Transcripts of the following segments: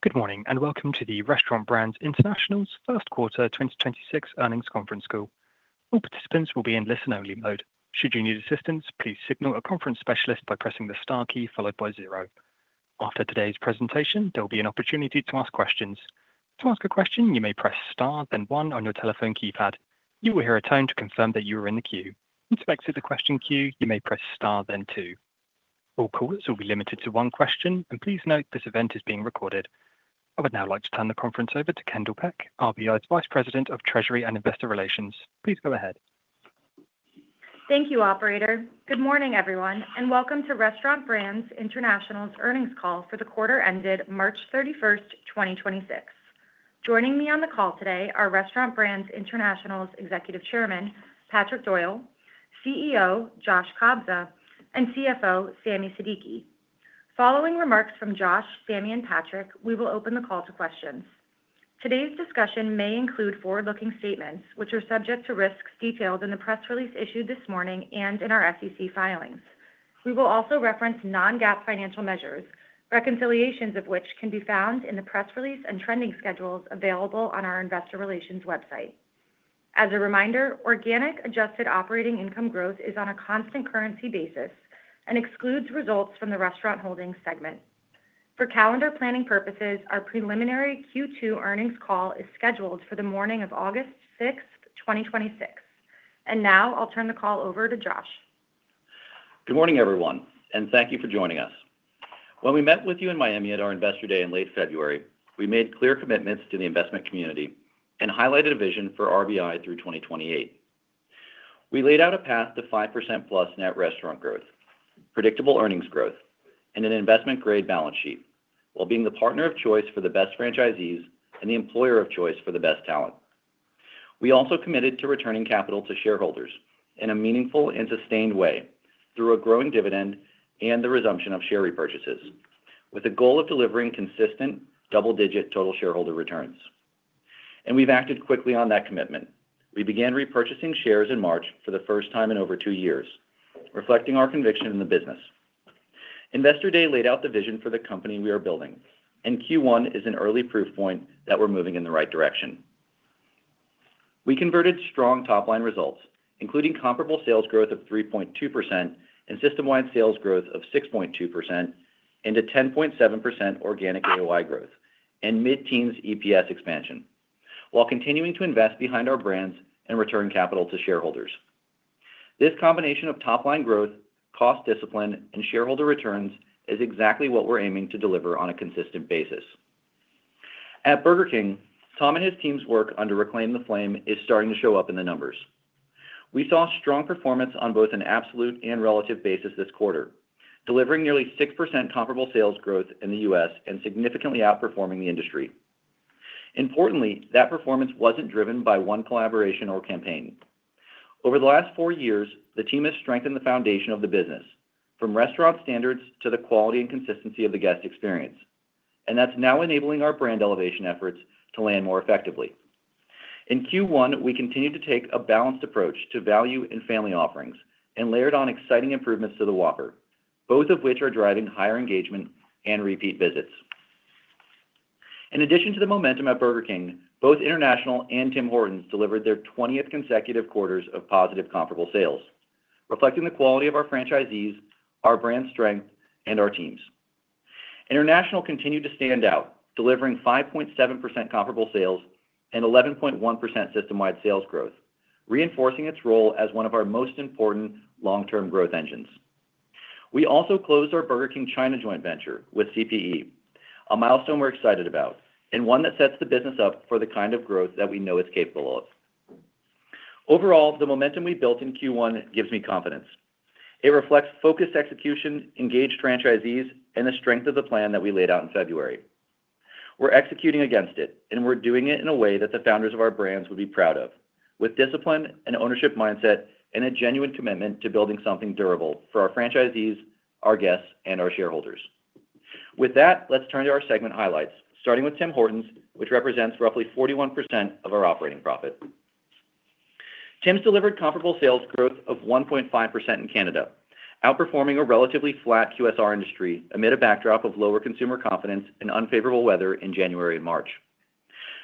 Good morning, welcome to the Restaurant Brands International's First Quarter 2026 Earnings Conference call. All participants will be in a listen-only mode. Should you need assistance, please signal a conference specialist by pressing the star key followed by zero. After today's presentation, there will be an opportunity to ask a questions. To ask a question, you may press star and one on your telephone keypad, you will hear a tone to confirm that you're in the queue. Our call is limited to the one question and please note that this event is being recorded. I would now like to turn the conference over to Kendall Peck, RBI's Vice President of Treasury and Investor Relations. Please go ahead. Thank you, operator. Good morning, everyone, and welcome to Restaurant Brands International's earnings call for the quarter ended March 31, 2026. Joining me on the call today are Restaurant Brands International's Executive Chairman, Patrick Doyle, CEO, Josh Kobza, and CFO, Sami Siddiqui. Following remarks from Josh, Sami, and Patrick, we will open the call to questions. Today's discussion may include forward-looking statements, which are subject to risks detailed in the press release issued this morning and in our SEC filings. We will also reference non-GAAP financial measures, reconciliations of which can be found in the press release and trending schedules available on our investor relations website. As a reminder, organic adjusted operating income growth is on a constant currency basis and excludes results from the Restaurant Holdings segment. For calendar planning purposes, our preliminary Q2 earnings call is scheduled for the morning of August 6, 2026. Now I'll turn the call over to Josh. Good morning, everyone, and thank you for joining us. When we met with you in Miami at our Investor Day in late February, we made clear commitments to the investment community and highlighted a vision for RBI through 2028. We laid out a path to 5%+ net restaurant growth, predictable earnings growth, and an investment-grade balance sheet while being the partner of choice for the best franchisees and the employer of choice for the best talent. We also committed to returning capital to shareholders in a meaningful and sustained way through a growing dividend and the resumption of share repurchases with the goal of delivering consistent double-digit total shareholder returns. We've acted quickly on that commitment. We began repurchasing shares in March for the first time in over two years, reflecting our conviction in the business. Investor Day laid out the vision for the company we are building. Q1 is an early proof point that we're moving in the right direction. We converted strong top-line results, including comparable sales growth of 3.2% and system-wide sales growth of 6.2% into 10.7% organic AOI growth and mid-teens EPS expansion while continuing to invest behind our brands and return capital to shareholders. This combination of top-line growth, cost discipline, and shareholder returns is exactly what we're aiming to deliver on a consistent basis. At Burger King, Tom and his team's work under Reclaim the Flame is starting to show up in the numbers. We saw strong performance on both an absolute and relative basis this quarter, delivering nearly 6% comparable sales growth in the U.S. and significantly outperforming the industry. Importantly, that performance wasn't driven by one collaboration or campaign. Over the last four years, the team has strengthened the foundation of the business, from restaurant standards to the quality and consistency of the guest experience, and that's now enabling our brand elevation efforts to land more effectively. In Q1, we continued to take a balanced approach to value and family offerings and layered on exciting improvements to the Whopper, both of which are driving higher engagement and repeat visits. In addition to the momentum at Burger King, both International and Tim Hortons delivered their 20th consecutive quarters of positive comparable sales, reflecting the quality of our franchisees, our brand strength, and our teams. International continued to stand out, delivering 5.7% comparable sales and 11.1% system-wide sales growth, reinforcing its role as one of our most important long-term growth engines. We also closed our Burger King China joint venture with CPE, a milestone we're excited about and one that sets the business up for the kind of growth that we know it's capable of. The momentum we built in Q1 gives me confidence. It reflects focused execution, engaged franchisees, and the strength of the plan that we laid out in February. We're executing against it, we're doing it in a way that the founders of our brands would be proud of, with discipline and ownership mindset and a genuine commitment to building something durable for our franchisees, our guests, and our shareholders. Let's turn to our segment highlights, starting with Tim Hortons, which represents roughly 41% of our operating profit. Tims delivered comparable sales growth of 1.5% in Canada, outperforming a relatively flat QSR industry amid a backdrop of lower consumer confidence and unfavorable weather in January and March.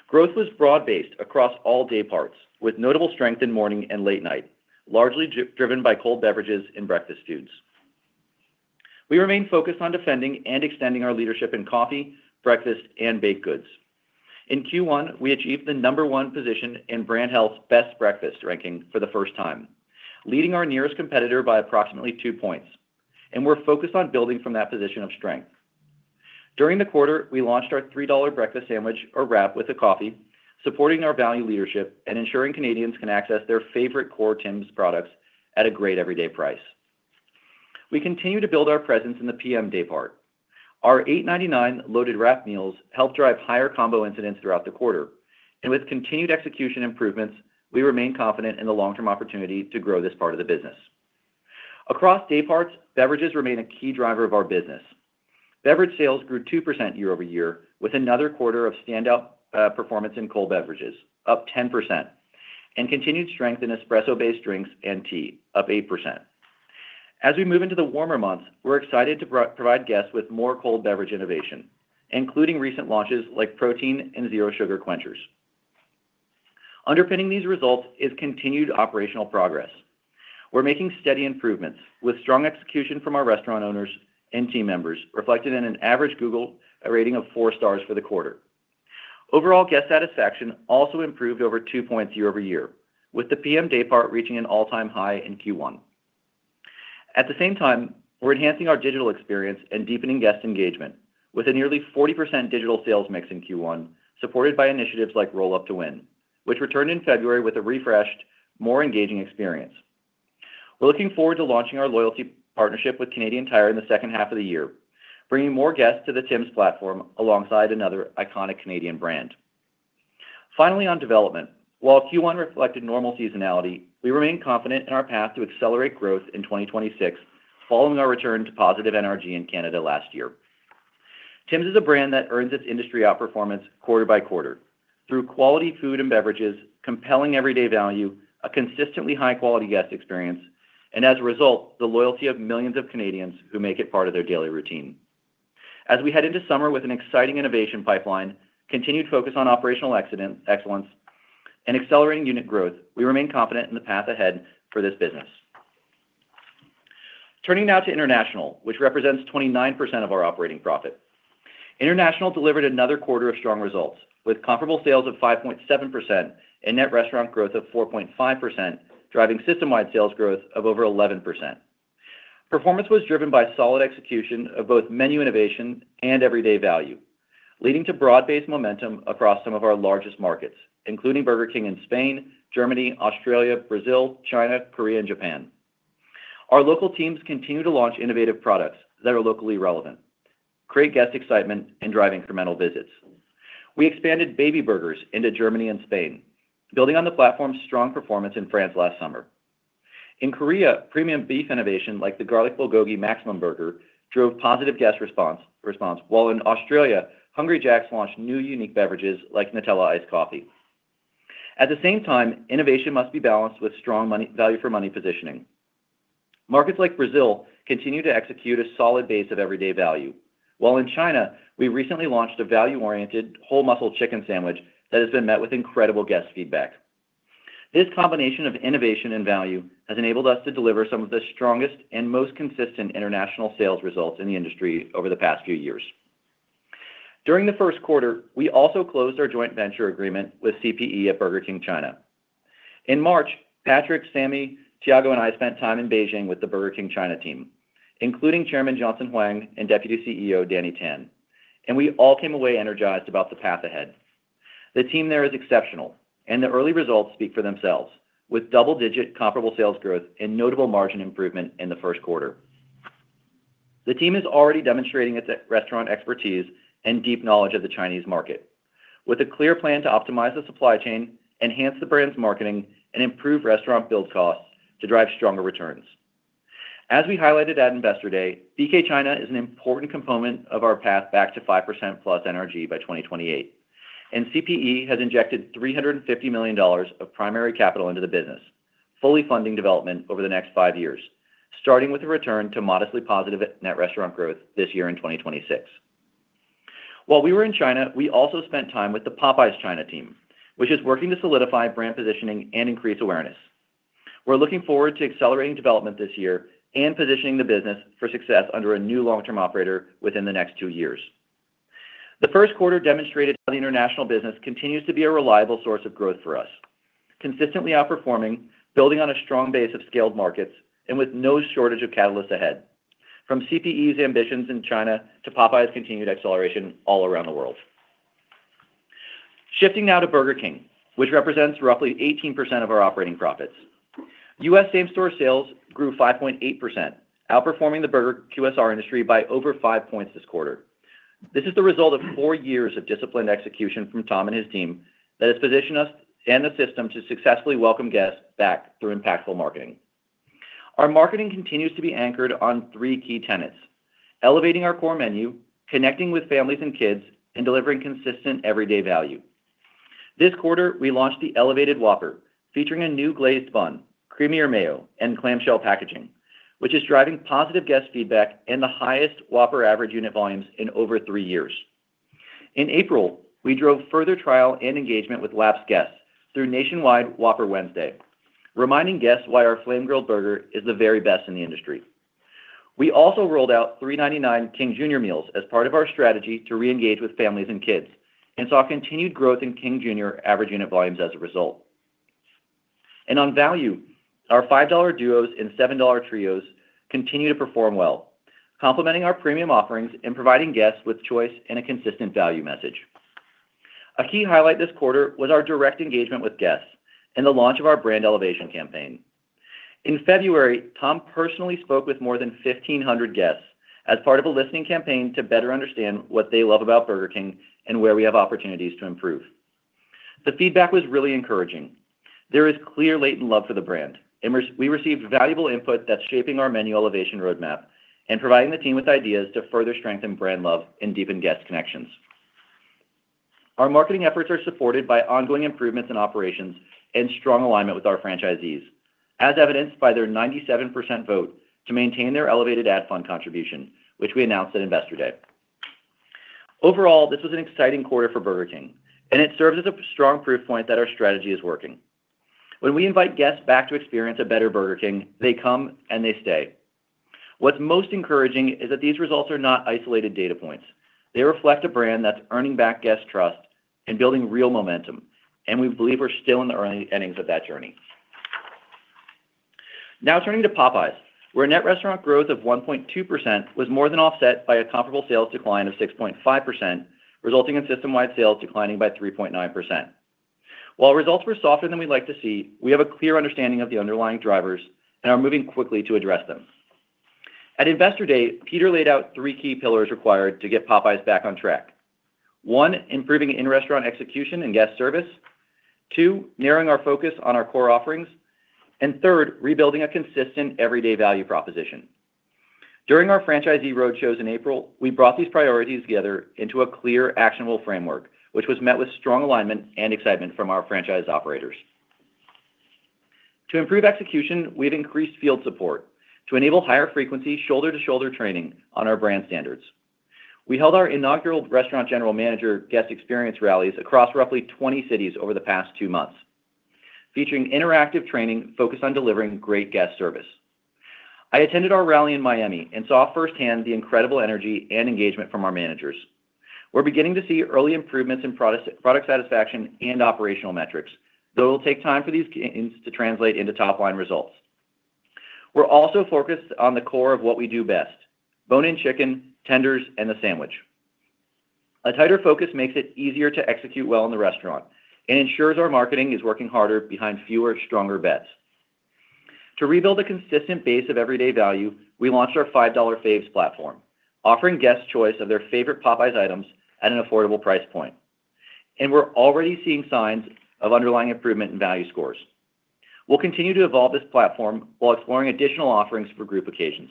Growth was broad-based across all day parts, with notable strength in morning and late night, largely driven by cold beverages and breakfast foods. We remain focused on defending and extending our leadership in coffee, breakfast, and baked goods. In Q1, we achieved the number one position in Brand Health's Best Breakfast ranking for the first time, leading our nearest competitor by approximately two points, and we're focused on building from that position of strength. During the quarter, we launched our $3 breakfast sandwich or wrap with a coffee, supporting our value leadership and ensuring Canadians can access their favorite core Tims products at a great everyday price. We continue to build our presence in the PM day part. Our $8.99 loaded wrap meals helped drive higher combo incidents throughout the quarter. With continued execution improvements, we remain confident in the long-term opportunity to grow this part of the business. Across day parts, beverages remain a key driver of our business. Beverage sales grew 2% year-over-year, with another quarter of standout performance in cold beverages, up 10%, and continued strength in espresso-based drinks and tea, up 8%. As we move into the warmer months, we're excited to provide guests with more cold beverage innovation, including recent launches like protein and zero sugar quenchers. Underpinning these results is continued operational progress. We're making steady improvements with strong execution from our restaurant owners and team members, reflected in an average Google rating of four stars for the quarter. Overall guest satisfaction also improved over 2 points year-over-year, with the PM day part reaching an all-time high in Q1. At the same time, we're enhancing our digital experience and deepening guest engagement with a nearly 40% digital sales mix in Q1, supported by initiatives like Roll Up To Win, which returned in February with a refreshed, more engaging experience. We're looking forward to launching our loyalty partnership with Canadian Tire in the second half of the year, bringing more guests to the Tims platform alongside another iconic Canadian brand. Finally, on development. While Q1 reflected normal seasonality, we remain confident in our path to accelerate growth in 2026 following our return to positive NRG in Canada last year. Tims is a brand that earns its industry outperformance quarter by quarter through quality food and beverages, compelling everyday value, a consistently high-quality guest experience, and as a result, the loyalty of millions of Canadians who make it part of their daily routine. As we head into summer with an exciting innovation pipeline, continued focus on operational excellence, and accelerating unit growth, we remain confident in the path ahead for this business. Turning now to international, which represents 29% of our operating profit. International delivered another quarter of strong results with comparable sales of 5.7% and net restaurant growth of 4.5%, driving system-wide sales growth of over 11%. Performance was driven by solid execution of both menu innovation and everyday value, leading to broad-based momentum across some of our largest markets, including Burger King in Spain, Germany, Australia, Brazil, China, Korea, and Japan. Our local teams continue to launch innovative products that are locally relevant, create guest excitement, and drive incremental visits. We expanded baby burgers into Germany and Spain, building on the platform's strong performance in France last summer. In Korea, premium beef innovation like the Garlic Bulgogi Maximum burger drove positive guest response, while in Australia, Hungry Jack's launched new unique beverages like Nutella iced coffee. At the same time, innovation must be balanced with strong value for money positioning. Markets like Brazil continue to execute a solid base of everyday value, while in China, we recently launched a value-oriented whole muscle chicken sandwich that has been met with incredible guest feedback. This combination of innovation and value has enabled us to deliver some of the strongest and most consistent international sales results in the industry over the past few years. During the first quarter, we also closed our joint venture agreement with CPE at Burger King China. In March, Patrick, Sami, Thiago, and I spent time in Beijing with the Burger King China team, including Chairman Johnson Huang and Deputy CEO Danny Tan, and we all came away energized about the path ahead. The team there is exceptional, and the early results speak for themselves, with double-digit comparable sales growth and notable margin improvement in the first quarter. The team is already demonstrating its restaurant expertise and deep knowledge of the Chinese market with a clear plan to optimize the supply chain, enhance the brand's marketing, and improve restaurant build costs to drive stronger returns. As we highlighted at Investor Day, BK China is an important component of our path back to 5%+ NRG by 2028, and CPE has injected $350 million of primary capital into the business, fully funding development over the next five years, starting with a return to modestly positive at net restaurant growth this year in 2026. While we were in China, we also spent time with the Popeyes China team, which is working to solidify brand positioning and increase awareness. We're looking forward to accelerating development this year and positioning the business for success under a new long-term operator within the next two years. The first quarter demonstrated how the international business continues to be a reliable source of growth for us, consistently outperforming, building on a strong base of scaled markets, and with no shortage of catalysts ahead. From CPE's ambitions in China to Popeyes' continued acceleration all around the world. Shifting now to Burger King, which represents roughly 18% of our operating profits. U.S. same-store sales grew 5.8%, outperforming the burger QSR industry by over 5 points this quarter. This is the result of four years of disciplined execution from Tom and his team that has positioned us and the system to successfully welcome guests back through impactful marketing. Our marketing continues to be anchored on three key tenets: elevating our core menu, connecting with families and kids, and delivering consistent everyday value. This quarter, we launched the elevated Whopper, featuring a new glazed bun, creamier mayo, and clamshell packaging, which is driving positive guest feedback and the highest Whopper average unit volumes in over three years. In April, we drove further trial and engagement with lapsed guests through nationwide Whopper Wednesday, reminding guests why our flame-grilled burger is the very best in the industry. We also rolled out $3.99 King Jr. meals as part of our strategy to reengage with families and kids, and saw continued growth in King Jr. average unit volumes as a result. On value, our $5 Duos and $7 Trios continue to perform well, complementing our premium offerings and providing guests with choice and a consistent value message. A key highlight this quarter was our direct engagement with guests and the launch of our brand elevation campaign. In February, Tom personally spoke with more than 1,500 guests as part of a listening campaign to better understand what they love about Burger King and where we have opportunities to improve. The feedback was really encouraging. There is clear latent love for the brand. We received valuable input that's shaping our menu elevation roadmap and providing the team with ideas to further strengthen brand love and deepen guest connections. Our marketing efforts are supported by ongoing improvements in operations and strong alignment with our franchisees, as evidenced by their 97% vote to maintain their elevated ad fund contribution, which we announced at Investor Day. This was an exciting quarter for Burger King, and it serves as a strong proof point that our strategy is working. We invite guests back to experience a better Burger King, they come and they stay. What's most encouraging is that these results are not isolated data points. They reflect a brand that's earning back guests' trust and building real momentum. We believe we're still in the early innings of that journey. Now turning to Popeyes, where net restaurant growth of 1.2% was more than offset by a comparable sales decline of 6.5%, resulting in system-wide sales declining by 3.9%. While results were softer than we'd like to see, we have a clear understanding of the underlying drivers and are moving quickly to address them. At Investor Day, Peter laid out three key pillars required to get Popeyes back on track. One. improving in-restaurant execution and guest service. Two. narrowing our focus on our core offerings. Third, rebuilding a consistent everyday value proposition. During our franchisee roadshows in April, we brought these priorities together into a clear, actionable framework, which was met with strong alignment and excitement from our franchise operators. To improve execution, we've increased field support to enable higher frequency, shoulder-to-shoulder training on our brand standards. We held our inaugural restaurant general manager guest experience rallies across roughly 20 cities over the past two months, featuring interactive training focused on delivering great guest service. I attended our rally in Miami and saw firsthand the incredible energy and engagement from our managers. We're beginning to see early improvements in product satisfaction and operational metrics, though it'll take time for these gains to translate into top-line results. We're also focused on the core of what we do best: bone-in chicken, tenders, and the sandwich. A tighter focus makes it easier to execute well in the restaurant and ensures our marketing is working harder behind fewer, stronger bets. To rebuild a consistent base of everyday value, we launched our $5 faves platform, offering guests choice of their favorite Popeyes items at an affordable price point. We're already seeing signs of underlying improvement in value scores. We'll continue to evolve this platform while exploring additional offerings for group occasions.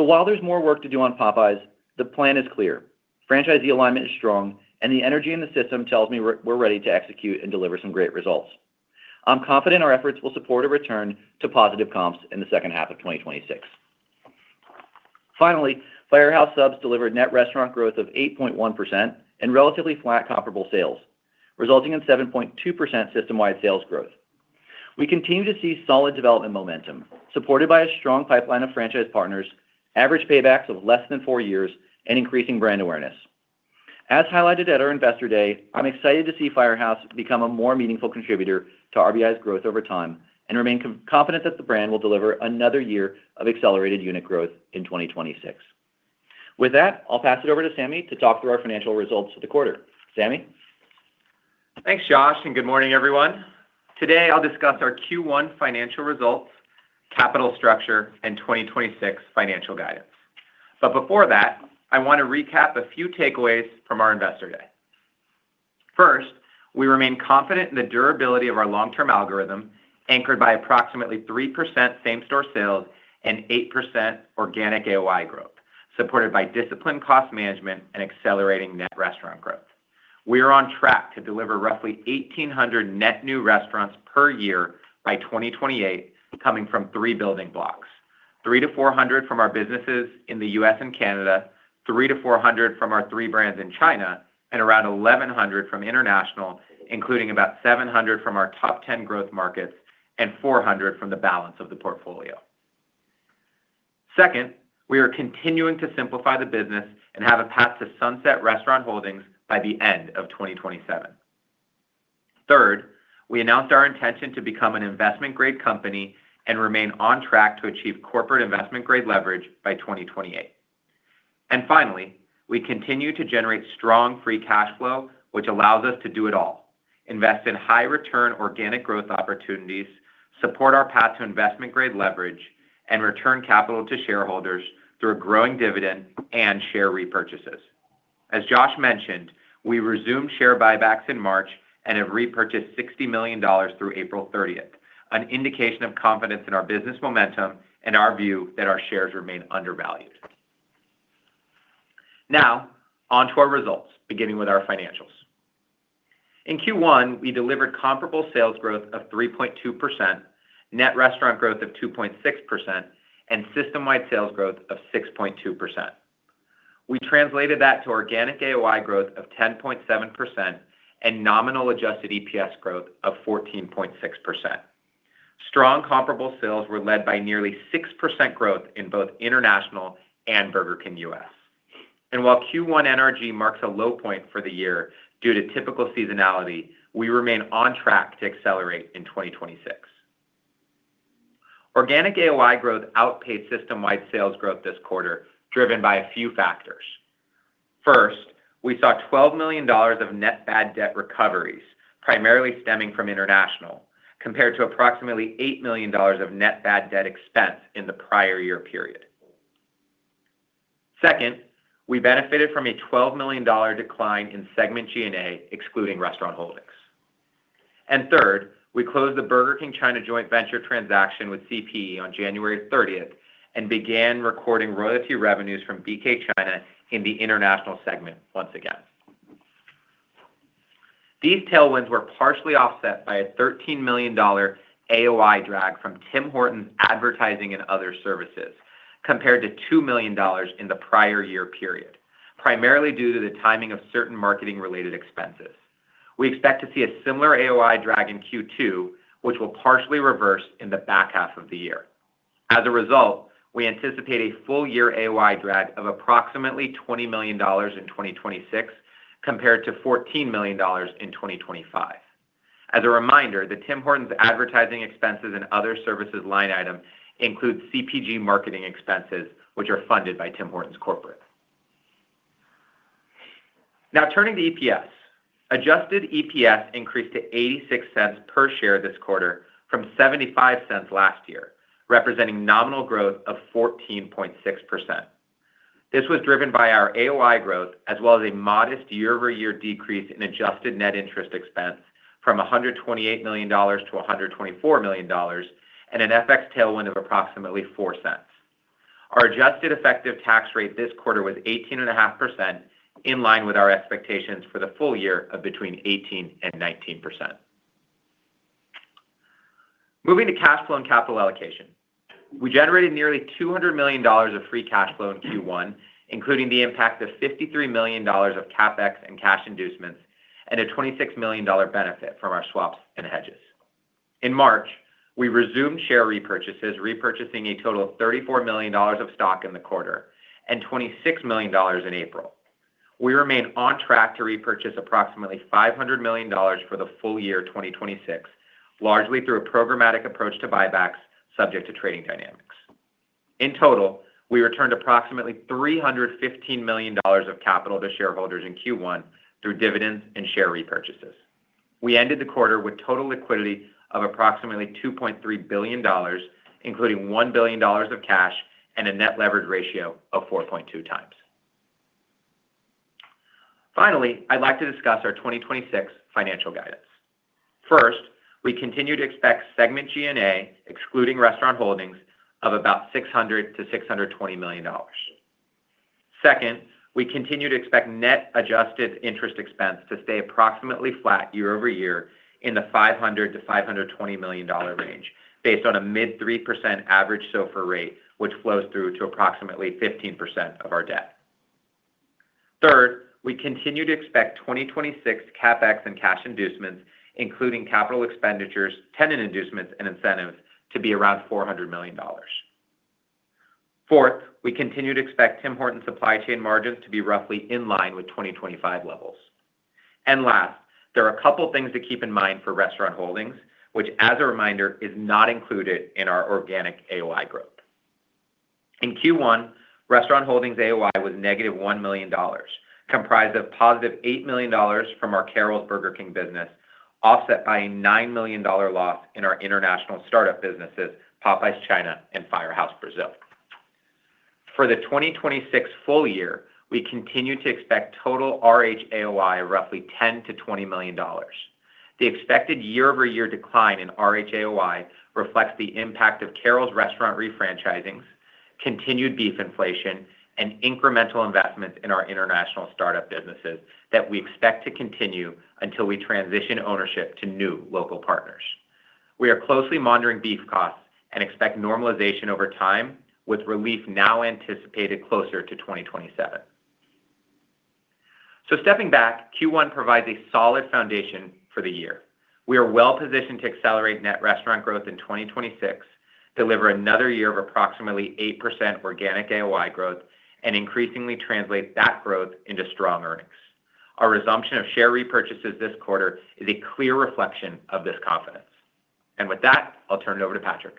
While there's more work to do on Popeyes, the plan is clear. Franchisee alignment is strong, and the energy in the system tells me we're ready to execute and deliver some great results. I'm confident our efforts will support a return to positive comps in the second half of 2026. Finally, Firehouse Subs delivered net restaurant growth of 8.1% and relatively flat comparable sales, resulting in 7.2% system-wide sales growth. We continue to see solid development momentum, supported by a strong pipeline of franchise partners, average paybacks of less than four years, and increasing brand awareness. As highlighted at our Investor Day, I'm excited to see Firehouse become a more meaningful contributor to RBI's growth over time and remain confident that the brand will deliver another year of accelerated unit growth in 2026. With that, I'll pass it over to Sami to talk through our financial results for the quarter. Sami? Thanks, Josh, good morning, everyone. Today, I'll discuss our Q1 financial results, capital structure, and 2026 financial guidance. Before that, I want to recap a few takeaways from our Investor Day. First, we remain confident in the durability of our long-term algorithm, anchored by approximately 3% same-store sales and 8% organic AOI growth, supported by disciplined cost management and accelerating net restaurant growth. We are on track to deliver roughly 1,800 net new restaurants per year by 2028, coming from three building blocks: 300-400 from our businesses in the U.S. and Canada, 300-400 from our three brands in China, and around 1,100 from international, including about 700 from our top 10 growth markets and 400 from the balance of the portfolio. Second, we are continuing to simplify the business and have a path to sunset Restaurant Holdings by the end of 2027. Third, we announced our intention to become an investment-grade company and remain on track to achieve corporate investment-grade leverage by 2028. Finally, we continue to generate strong free cash flow, which allows us to do it all, invest in high-return organic growth opportunities, support our path to investment-grade leverage, and return capital to shareholders through a growing dividend and share repurchases. As Josh mentioned, we resumed share buybacks in March and have repurchased $60 million through April 30th, an indication of confidence in our business momentum and our view that our shares remain undervalued. Now, onto our results, beginning with our financials. In Q1, we delivered comparable sales growth of 3.2%, net restaurant growth of 2.6%, and system-wide sales growth of 6.2%. We translated that to organic AOI growth of 10.7% and nominal adjusted EPS growth of 14.6%. Strong comparable sales were led by nearly 6% growth in both international and Burger King U.S. While Q1 NRG marks a low point for the year due to typical seasonality, we remain on track to accelerate in 2026. Organic AOI growth outpaced system-wide sales growth this quarter, driven by a few factors. First, we saw $12 million of net bad debt recoveries, primarily stemming from international, compared to approximately $8 million of net bad debt expense in the prior year period. Second, we benefited from a $12 million decline in segment G&A, excluding Restaurant Holdings. Third, we closed the Burger King China joint venture transaction with CPE on January 30th and began recording royalty revenues from BK China in the international segment once again. These tailwinds were partially offset by a $13 million AOI drag from Tim Hortons advertising and other services, compared to $2 million in the prior year period, primarily due to the timing of certain marketing related expenses. We expect to see a similar AOI drag in Q2, which will partially reverse in the back half of the year. As a result, we anticipate a full year AOI drag of approximately $20 million in 2026 compared to $14 million in 2025. As a reminder, the Tim Hortons advertising expenses and other services line item includes CPG marketing expenses, which are funded by Tim Hortons corporate. Turning to EPS. Adjusted EPS increased to $0.86 per share this quarter from $0.75 last year, representing nominal growth of 14.6%. This was driven by our AOI growth, as well as a modest year-over-year decrease in adjusted net interest expense from $128 million to $124 million, and an FX tailwind of approximately $0.04. Our adjusted effective tax rate this quarter was 18.5%, in line with our expectations for the full year of between 18%-19%. Moving to cash flow and capital allocation. We generated nearly $200 million of free cash flow in Q1, including the impact of $53 million of CapEx and cash inducements, and a $26 million benefit from our swaps and hedges. In March, we resumed share repurchases, repurchasing a total of $34 million of stock in the quarter and $26 million in April. We remain on track to repurchase approximately $500 million for the full year 2026, largely through a programmatic approach to buybacks subject to trading dynamics. In total, we returned approximately $315 million of capital to shareholders in Q1 through dividends and share repurchases. We ended the quarter with total liquidity of approximately $2.3 billion, including $1 billion of cash and a net leverage ratio of 4.2x. Finally, I'd like to discuss our 2026 financial guidance. First, we continue to expect segment G&A, excluding Restaurant Holdings, of about $600 million-$620 million. Second, we continue to expect net adjusted interest expense to stay approximately flat year-over-year in the $500 million-$520 million range based on a mid 3% average SOFR rate, which flows through to approximately 15% of our debt. Third, we continue to expect 2026 CapEx and cash inducements, including capital expenditures, tenant inducements, and incentives to be around $400 million. Fourth, we continue to expect Tim Hortons supply chain margins to be roughly in line with 2025 levels. Last, there are a couple things to keep in mind for Restaurant Holdings, which as a reminder, is not included in our organic AOI growth. In Q1, Restaurant Holdings AOI was negative $1 million, comprised of positive $8 million from our Carrols Burger King business, offset by a $9 million loss in our international startup businesses, Popeyes China and Firehouse Subs Brazil. For the 2026 full year, we continue to expect total RH AOI of roughly $10 million-$20 million. The expected year-over-year decline in RH AOI reflects the impact of Carrols restaurant refranchisings, continued beef inflation, and incremental investments in our international startup businesses that we expect to continue until we transition ownership to new local partners. We are closely monitoring beef costs and expect normalization over time, with relief now anticipated closer to 2027. Stepping back, Q1 provides a solid foundation for the year. We are well-positioned to accelerate net restaurant growth in 2026, deliver another year of approximately 8% organic AOI growth, and increasingly translate that growth into strong earnings. Our resumption of share repurchases this quarter is a clear reflection of this confidence. With that, I'll turn it over to Patrick.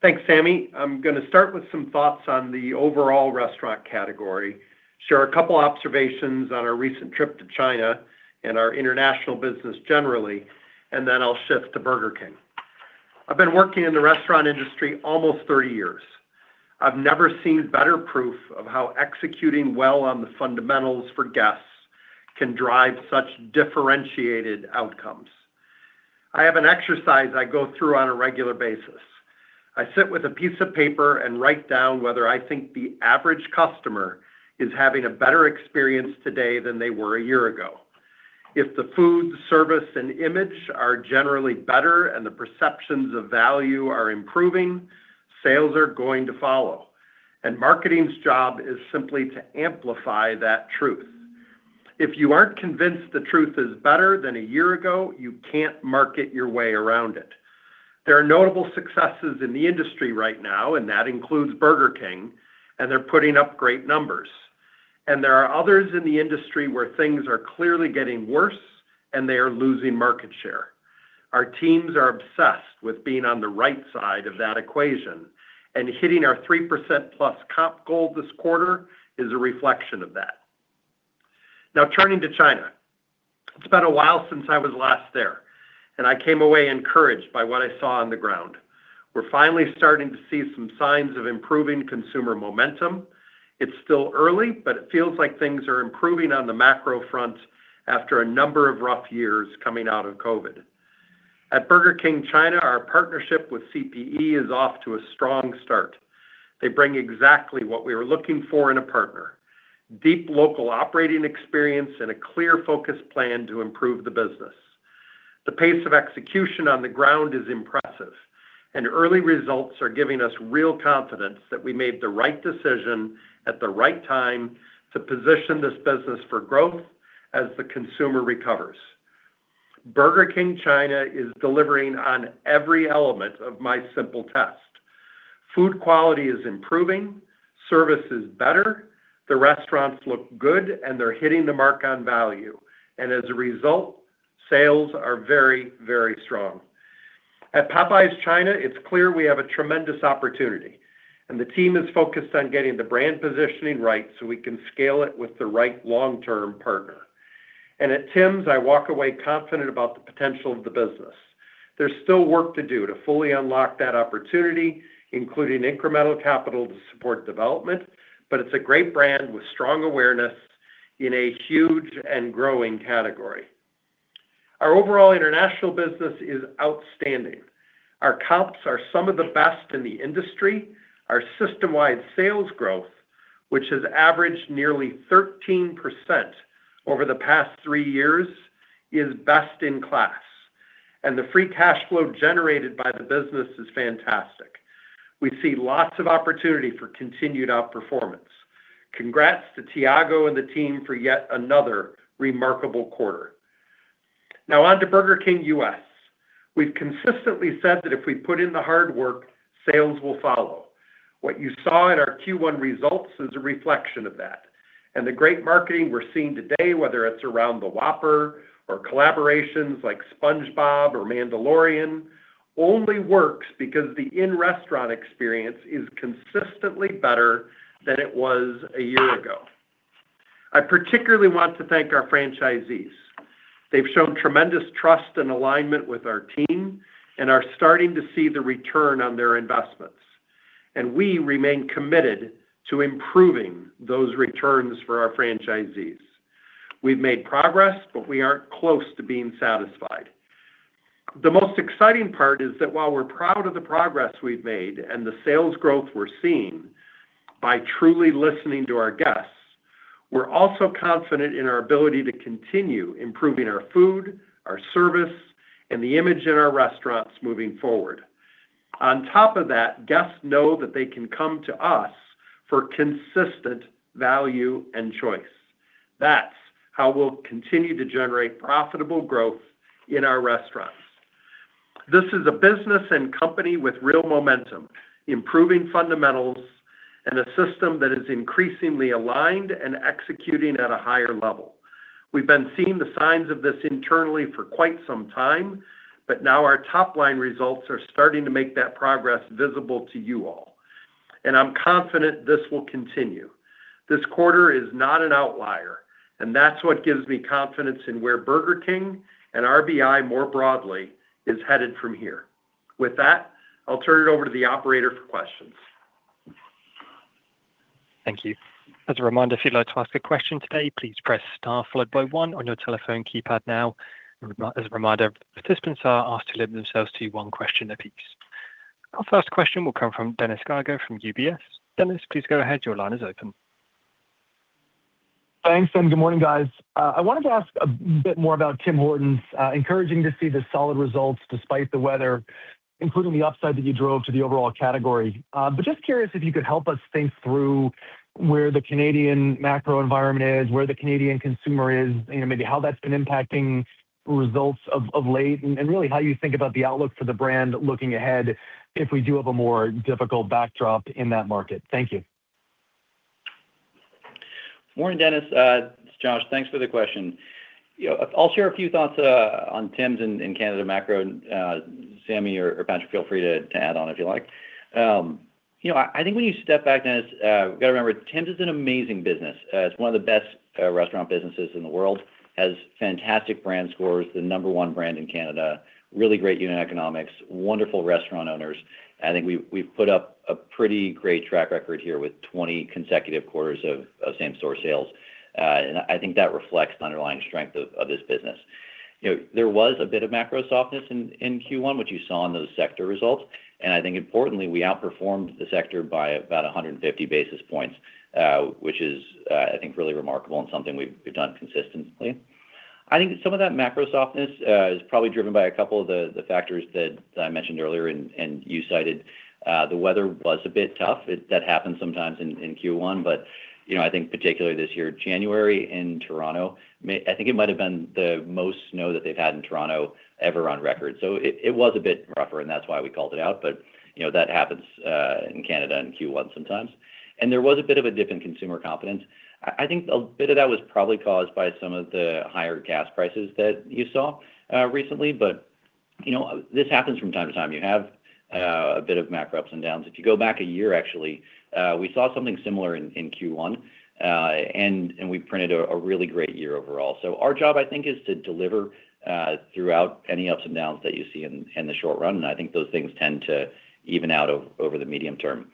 Thanks, Sami. I am going to start with some thoughts on the overall restaurant category, share a couple observations on our recent trip to China and our international business generally, then I will shift to Burger King. I have been working in the restaurant industry almost 30 years. I have never seen better proof of how executing well on the fundamentals for guests can drive such differentiated outcomes. I have an exercise I go through on a regular basis. I sit with a piece of paper and write down whether I think the average customer is having a better experience today than they were a year ago. If the food, service, and image are generally better and the perceptions of value are improving, sales are going to follow. Marketing's job is simply to amplify that truth. If you aren't convinced the truth is better than a year ago, you can't market your way around it. There are notable successes in the industry right now, and that includes Burger King, and they're putting up great numbers. There are others in the industry where things are clearly getting worse, and they are losing market share. Our teams are obsessed with being on the right side of that equation, and hitting our 3%+ comp goal this quarter is a reflection of that. Now, turning to China. It's been a while since I was last there, and I came away encouraged by what I saw on the ground. We're finally starting to see some signs of improving consumer momentum. It's still early, but it feels like things are improving on the macro front after a number of rough years coming out of COVID. At Burger King China, our partnership with CPE is off to a strong start. They bring exactly what we were looking for in a partner. Deep local operating experience and a clear focused plan to improve the business. The pace of execution on the ground is impressive. Early results are giving us real confidence that we made the right decision at the right time to position this business for growth as the consumer recovers. Burger King China is delivering on every element of my simple test. Food quality is improving, service is better, the restaurants look good, and they're hitting the mark on value. As a result, sales are very, very strong. At Popeyes China, it's clear we have a tremendous opportunity, and the team is focused on getting the brand positioning right so we can scale it with the right long-term partner. At Tims, I walk away confident about the potential of the business. There's still work to do to fully unlock that opportunity, including incremental capital to support development, but it's a great brand with strong awareness in a huge and growing category. Our overall international business is outstanding. Our comps are some of the best in the industry. Our system-wide sales growth, which has averaged nearly 13% over the past three years, is best in class. The free cash flow generated by the business is fantastic. We see lots of opportunity for continued outperformance. Congrats to Thiago and the team for yet another remarkable quarter. Now on to Burger King U.S. We've consistently said that if we put in the hard work, sales will follow. What you saw in our Q1 results is a reflection of that. The great marketing we're seeing today, whether it's around the Whopper or collaborations like SpongeBob or Mandalorian, only works because the in-restaurant experience is consistently better than it was a year ago. I particularly want to thank our franchisees. They've shown tremendous trust and alignment with our team and are starting to see the return on their investments. We remain committed to improving those returns for our franchisees. We've made progress, we aren't close to being satisfied. The most exciting part is that while we're proud of the progress we've made and the sales growth we're seeing by truly listening to our guests, we're also confident in our ability to continue improving our food, our service, and the image in our restaurants moving forward. On top of that, guests know that they can come to us for consistent value and choice. That's how we'll continue to generate profitable growth in our restaurants. This is a business and company with real momentum, improving fundamentals, and a system that is increasingly aligned and executing at a higher level. We've been seeing the signs of this internally for quite some time, but now our top-line results are starting to make that progress visible to you all. I'm confident this will continue. This quarter is not an outlier, and that's what gives me confidence in where Burger King and RBI more broadly is headed from here. With that, I'll turn it over to the operator for questions. Thank you. As a reminder, participants are asked to limit themselves to one question a piece. Our first question will come from Dennis Geiger from UBS. Dennis, please go ahead. Your line is open. Thanks, Dan. Good morning, guys. I wanted to ask a bit more about Tim Hortons. Encouraging to see the solid results despite the weather, including the upside that you drove to the overall category. Just curious if you could help us think through where the Canadian macro environment is, where the Canadian consumer is, you know, maybe how that's been impacting results of late and really how you think about the outlook for the brand looking ahead if we do have a more difficult backdrop in that market. Thank you. Morning, Dennis. It's Josh. Thanks for the question. You know, I'll share a few thoughts on Tim Hortons in Canada macro. Sami or Patrick, feel free to add on if you like. You know, I think when you step back, Dennis, gotta remember, Tim Hortons is an amazing business. It's one of the best restaurant businesses in the world. Has fantastic brand scores, the number one brand in Canada, really great unit economics, wonderful restaurant owners. I think we've put up a pretty great track record here with 20 consecutive quarters of same store sales. I think that reflects the underlying strength of this business. You know, there was a bit of macro softness in Q1, which you saw in those sector results. I think importantly, we outperformed the sector by about 150 basis points, which is, I think really remarkable and something we've done consistently. I think some of that macro softness is probably driven by a couple of the factors that I mentioned earlier and you cited. The weather was a bit tough. That happens sometimes in Q1. You know, I think particularly this year, January in Toronto, I think it might have been the most snow that they've had in Toronto ever on record. It was a bit rougher, and that's why we called it out. You know, that happens in Canada in Q1 sometimes. There was a bit of a dip in consumer confidence. I think a bit of that was probably caused by some of the higher gas prices that you saw recently. you know, this happens from time to time. You have a bit of macro ups and downs. If you go back a year, actually, we saw something similar in Q1. We printed a really great year overall. Our job, I think, is to deliver throughout any ups and downs that you see in the short run, and I think those things tend to even out over the medium term.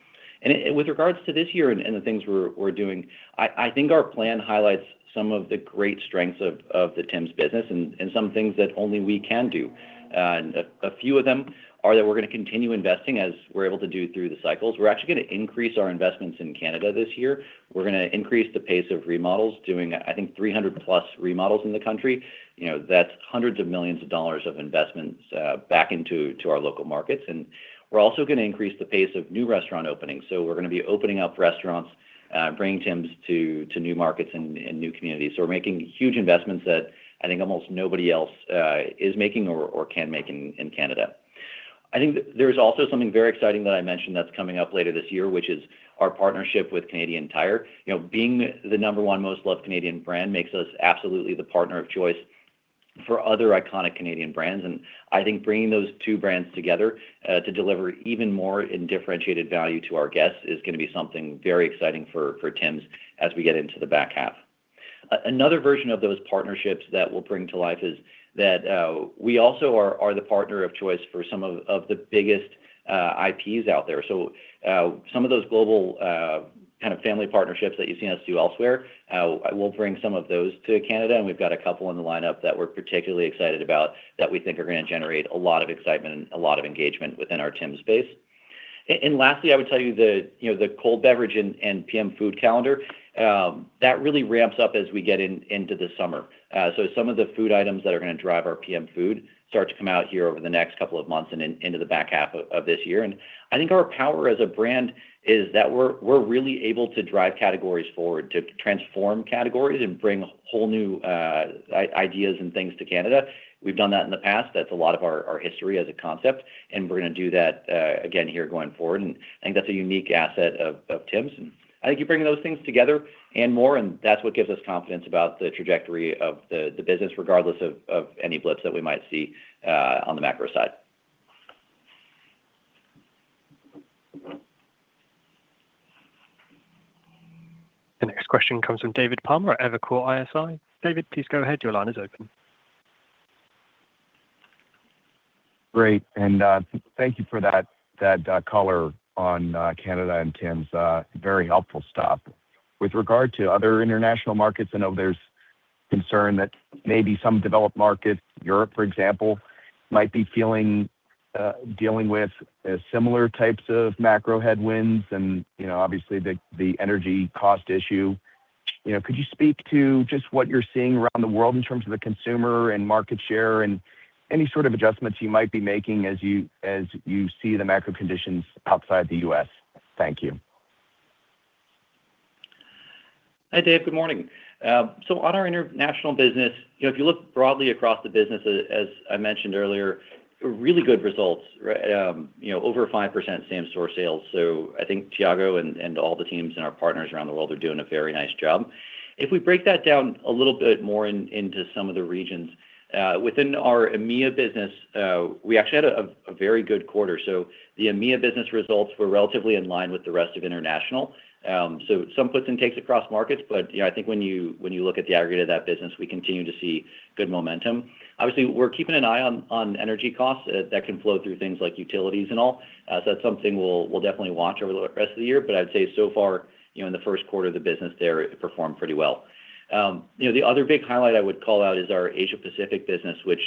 With regards to this year and the things we're doing, I think our plan highlights some of the great strengths of the Tims business and some things that only we can do. A few of them are that we're going to continue investing as we're able to do through the cycles. We're actually going to increase our investments in Canada this year. We're going to increase the pace of remodels, doing, I think, 300+ remodels in the country. You know, that's hundreds of millions of dollars of investments back into our local markets. We're also going to increase the pace of new restaurant openings. We're going to be opening up restaurants, bringing Tims to new markets and new communities. We're making huge investments that I think almost nobody else is making or can make in Canada. I think there's also something very exciting that I mentioned that's coming up later this year, which is our partnership with Canadian Tire. You know, being the number one most loved Canadian brand makes us absolutely the partner of choice for other iconic Canadian brands. I think bringing those two brands together to deliver even more in differentiated value to our guests is gonna be something very exciting for Tims as we get into the back half. Another version of those partnerships that we'll bring to life is that we also are the partner of choice for some of the biggest IPs out there. Some of those global kind of family partnerships that you've seen us do elsewhere, we'll bring some of those to Canada, and we've got a couple in the lineup that we're particularly excited about that we think are gonna generate a lot of excitement and a lot of engagement within our Tims base. Lastly, I would tell you the, you know, the cold beverage and PM food calendar that really ramps up as we get into the summer. Some of the food items that are gonna drive our PM food start to come out here over the next two months and into the back half of this year. I think our power as a brand is that we're really able to drive categories forward, to transform categories and bring whole new ideas and things to Canada. We've done that in the past. That's a lot of our history as a concept, we're gonna do that again here going forward. I think that's a unique asset of Tims. I think you bring those things together and more, and that's what gives us confidence about the trajectory of the business, regardless of any blips that we might see on the macro side. The next question comes from David Palmer at Evercore ISI. David, please go ahead. Your line is open. Great. Thank you for that color on Canada and Tims. Very helpful stuff. With regard to other international markets, I know there's concern that maybe some developed markets, Europe, for example, might be feeling, dealing with similar types of macro headwinds and, you know, obviously the energy cost issue. You know, could you speak to just what you're seeing around the world in terms of the consumer and market share and any sort of adjustments you might be making as you see the macro conditions outside the U.S.? Thank you. Hi, Dave. Good morning. On our international business, you know, if you look broadly across the business, as I mentioned earlier, really good results, you know, over 5% same store sales. I think Thiago and all the teams and our partners around the world are doing a very nice job. If we break that down a little bit more into some of the regions, within our EMEA business, we actually had a very good quarter. The EMEA business results were relatively in line with the rest of international. Some puts and takes across markets, you know, I think when you look at the aggregate of that business, we continue to see good momentum. Obviously, we're keeping an eye on energy costs that can flow through things like utilities and all. That's something we'll definitely watch over the rest of the year. I'd say so far, you know, in the first quarter, the business there performed pretty well. You know, the other big highlight I would call out is our Asia Pacific business, which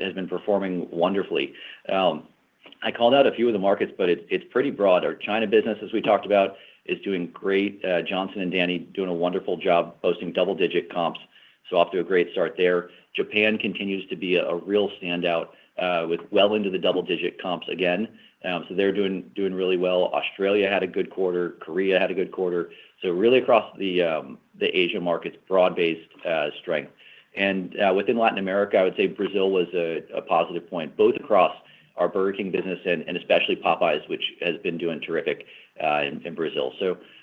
has been performing wonderfully. I called out a few of the markets, but it's pretty broad. Our China business, as we talked about, is doing great. Johnson and Danny doing a wonderful job posting double-digit comps, off to a great start there. Japan continues to be a real standout, with well into the double-digit comps again. They're doing really well. Australia had a good quarter. Korea had a good quarter. Really across the Asia markets, broad-based strength. Within Latin America, I would say Brazil was a positive point, both across our Burger King business and especially Popeyes, which has been doing terrific in Brazil.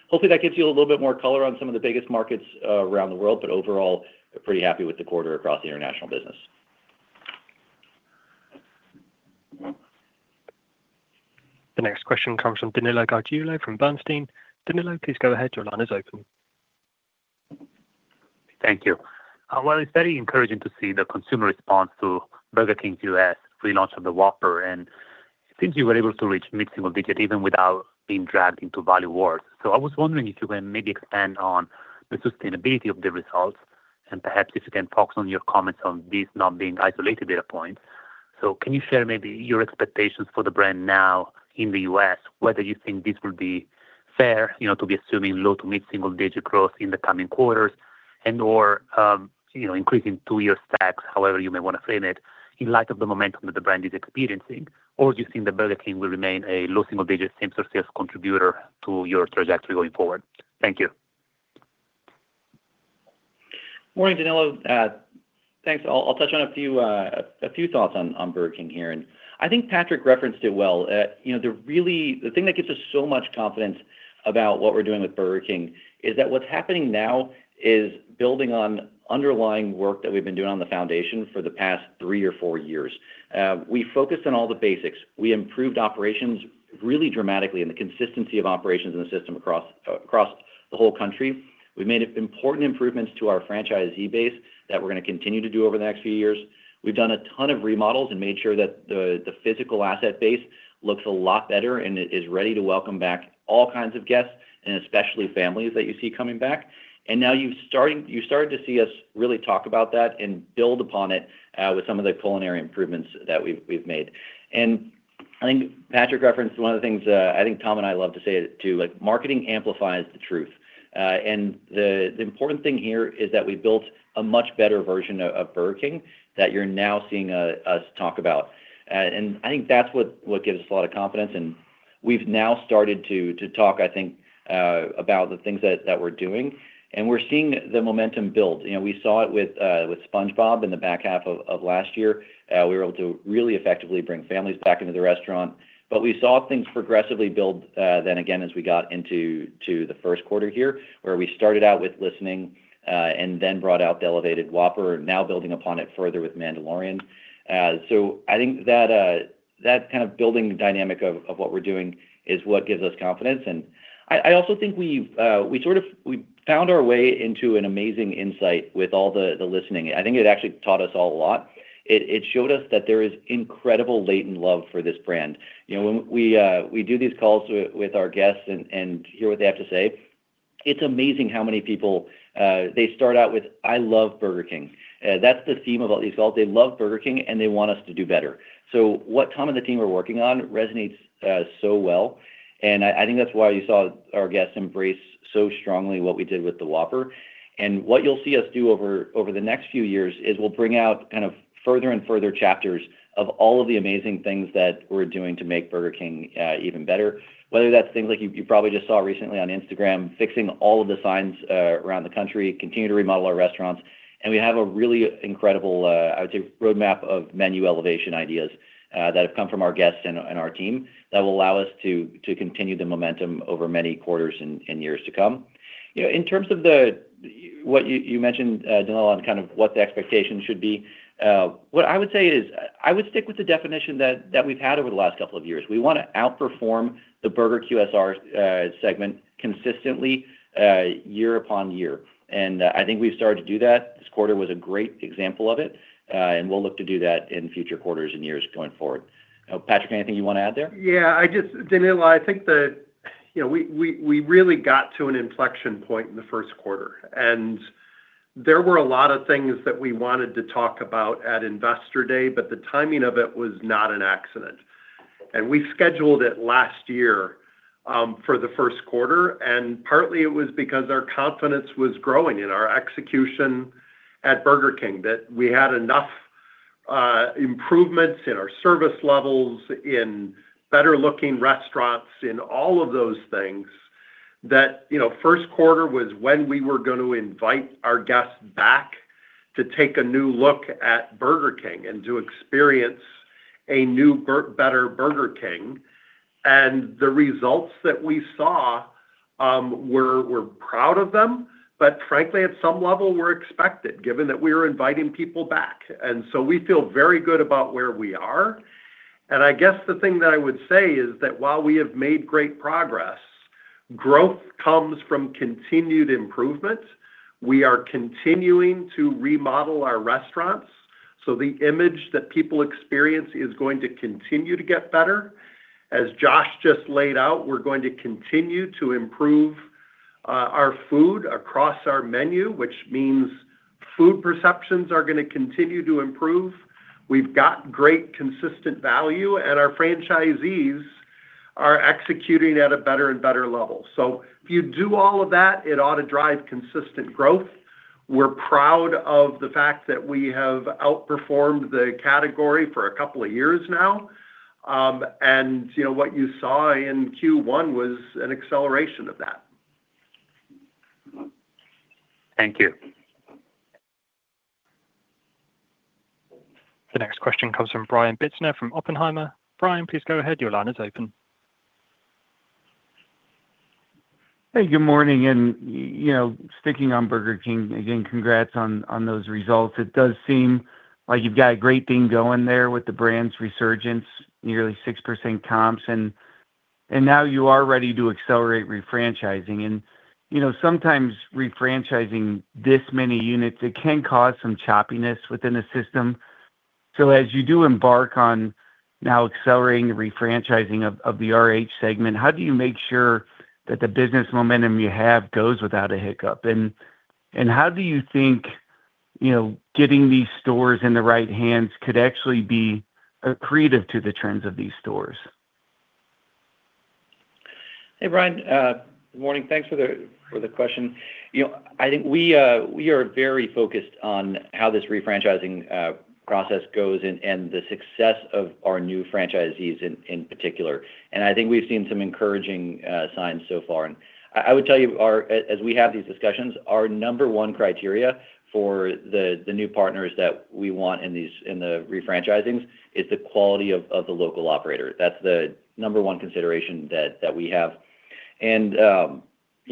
Hopefully that gives you a little bit more color on some of the biggest markets around the world. Overall, pretty happy with the quarter across the international business. The next question comes from Danilo Gargiulo from Bernstein. Danilo, please go ahead. Your line is open. Thank you. While it's very encouraging to see the consumer response to Burger King U.S. relaunch of the Whopper, it seems you were able to reach mid-single-digit even without being dragged into value wars. I was wondering if you can maybe expand on the sustainability of the results and perhaps if you can focus on your comments on this not being isolated data point. Can you share maybe your expectations for the brand now in the U.S., whether you think this will be fair, you know, to be assuming low-to-mid-single-digit growth in the coming quarters and/or, you know, increasing two-year stacks, however you may want to frame it, in light of the momentum that the brand is experiencing? Do you think that Burger King will remain a low-single-digit same-store sales contributor to your trajectory going forward? Thank you. Morning, Danilo. Thanks. I'll touch on a few thoughts on Burger King here. I think Patrick referenced it well. You know, the really thing that gives us so much confidence about what we're doing with Burger King is that what's happening now is building on underlying work that we've been doing on the foundation for the past three or four years. We focused on all the basics. We improved operations really dramatically, and the consistency of operations in the system across the whole country. We made it important improvements to our franchisee base that we're gonna continue to do over the next few years. We've done a ton of remodels and made sure that the physical asset base looks a lot better and it is ready to welcome back all kinds of guests, and especially families that you see coming back. Now you're starting to see us really talk about that and build upon it with some of the culinary improvements that we've made. I think Patrick referenced one of the things, I think Tom and I love to say it too, like marketing amplifies the truth. The important thing here is that we built a much better version of Burger King that you're now seeing us talk about. I think that's what gives us a lot of confidence. We've now started to talk, I think, about the things that we're doing, and we're seeing the momentum build. You know, we saw it with SpongeBob in the back half of last year. We were able to really effectively bring families back into the restaurant. We saw things progressively build, then again as we got into the first quarter here, where we started out with listening, and then brought out the elevated Whopper, now building upon it further with Mandalorian. I think that kind of building dynamic of what we're doing is what gives us confidence. I also think we've, we found our way into an amazing insight with all the listening. I think it actually taught us all a lot. It showed us that there is incredible latent love for this brand. You know, when we do these calls with our guests and hear what they have to say, it's amazing how many people, they start out with, "I love Burger King." That's the theme about these calls. They love Burger King and they want us to do better. What Tom and the team are working on resonates so well and I think that's why you saw our guests embrace so strongly what we did with the Whopper. What you'll see us do over the next few years is we'll bring out kind of further and further chapters of all of the amazing things that we're doing to make Burger King even better. Whether that's things like you probably just saw recently on Instagram, fixing all of the signs around the country, continue to remodel our restaurants. We have a really incredible, I would say roadmap of menu elevation ideas that have come from our guests and our team that will allow us to continue the momentum over many quarters and years to come. You know, in terms of the What you mentioned, Danilo, on kind of what the expectations should be, what I would say is I would stick with the definition that we've had over the last couple of years. We wanna outperform the burger QSR segment consistently year upon year. I think we've started to do that. This quarter was a great example of it. We'll look to do that in future quarters and years going forward. Patrick, anything you wanna add there? Yeah. I just Danilo, I think that, you know, we really got to an inflection point in the first quarter. There were a lot of things that we wanted to talk about at Investor Day, but the timing of it was not an accident. We scheduled it last year for the first quarter, and partly it was because our confidence was growing in our execution at Burger King, that we had enough improvements in our service levels, in better looking restaurants, in all of those things that, you know, first quarter was when we were gonna invite our guests back to take a new look at Burger King and to experience a new better Burger King. The results that we saw, we're proud of them, but frankly at some level were expected given that we are inviting people back. We feel very good about where we are. I guess the thing that I would say is that while we have made great progress, growth comes from continued improvement. We are continuing to remodel our restaurants, so the image that people experience is going to continue to get better. As Josh just laid out, we're going to continue to improve our food across our menu, which means food perceptions are going to continue to improve. We've got great consistent value, and our franchisees are executing at a better and better level. If you do all of that, it ought to drive consistent growth. We're proud of the fact that we have outperformed the category for couple of years now. You know, what you saw in Q1 was an acceleration of that. Thank you. The next question comes from Brian Bittner from Oppenheimer. Brian, please go ahead. Your line is open. Hey, good morning. You know, sticking on Burger King, again, congrats on those results. It does seem like you've got a great thing going there with the brand's resurgence, nearly 6% comps. Now you are ready to accelerate refranchising. You know, sometimes refranchising this many units, it can cause some choppiness within the system. As you do embark on now accelerating refranchising of the RH segment, how do you make sure that the business momentum you have goes without a hiccup? How do you think, you know, getting these stores in the right hands could actually be accretive to the trends of these stores? Hey, Brian. Good morning. Thanks for the question. You know, I think we are very focused on how this re-franchising process goes and the success of our new franchisees in particular. I would tell you, as we have these discussions, our number one criteria for the new partners that we want in the re-franchisings is the quality of the local operator. That's the number one consideration that we have. You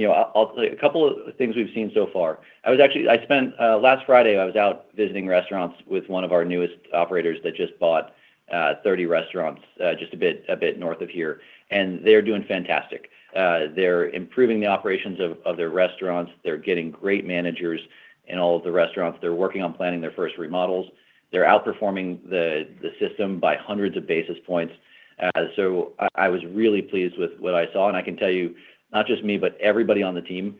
know, I'll tell you a couple of things we've seen so far. I spent Last Friday, I was out visiting restaurants with one of our newest operators that just bought 30 restaurants just a bit north of here, and they're doing fantastic. They're improving the operations of their restaurants, they're getting great managers in all of the restaurants. They're working on planning their first remodels. They're outperforming the system by hundreds of basis points. I was really pleased with what I saw. I can tell you, not just me, but everybody on the team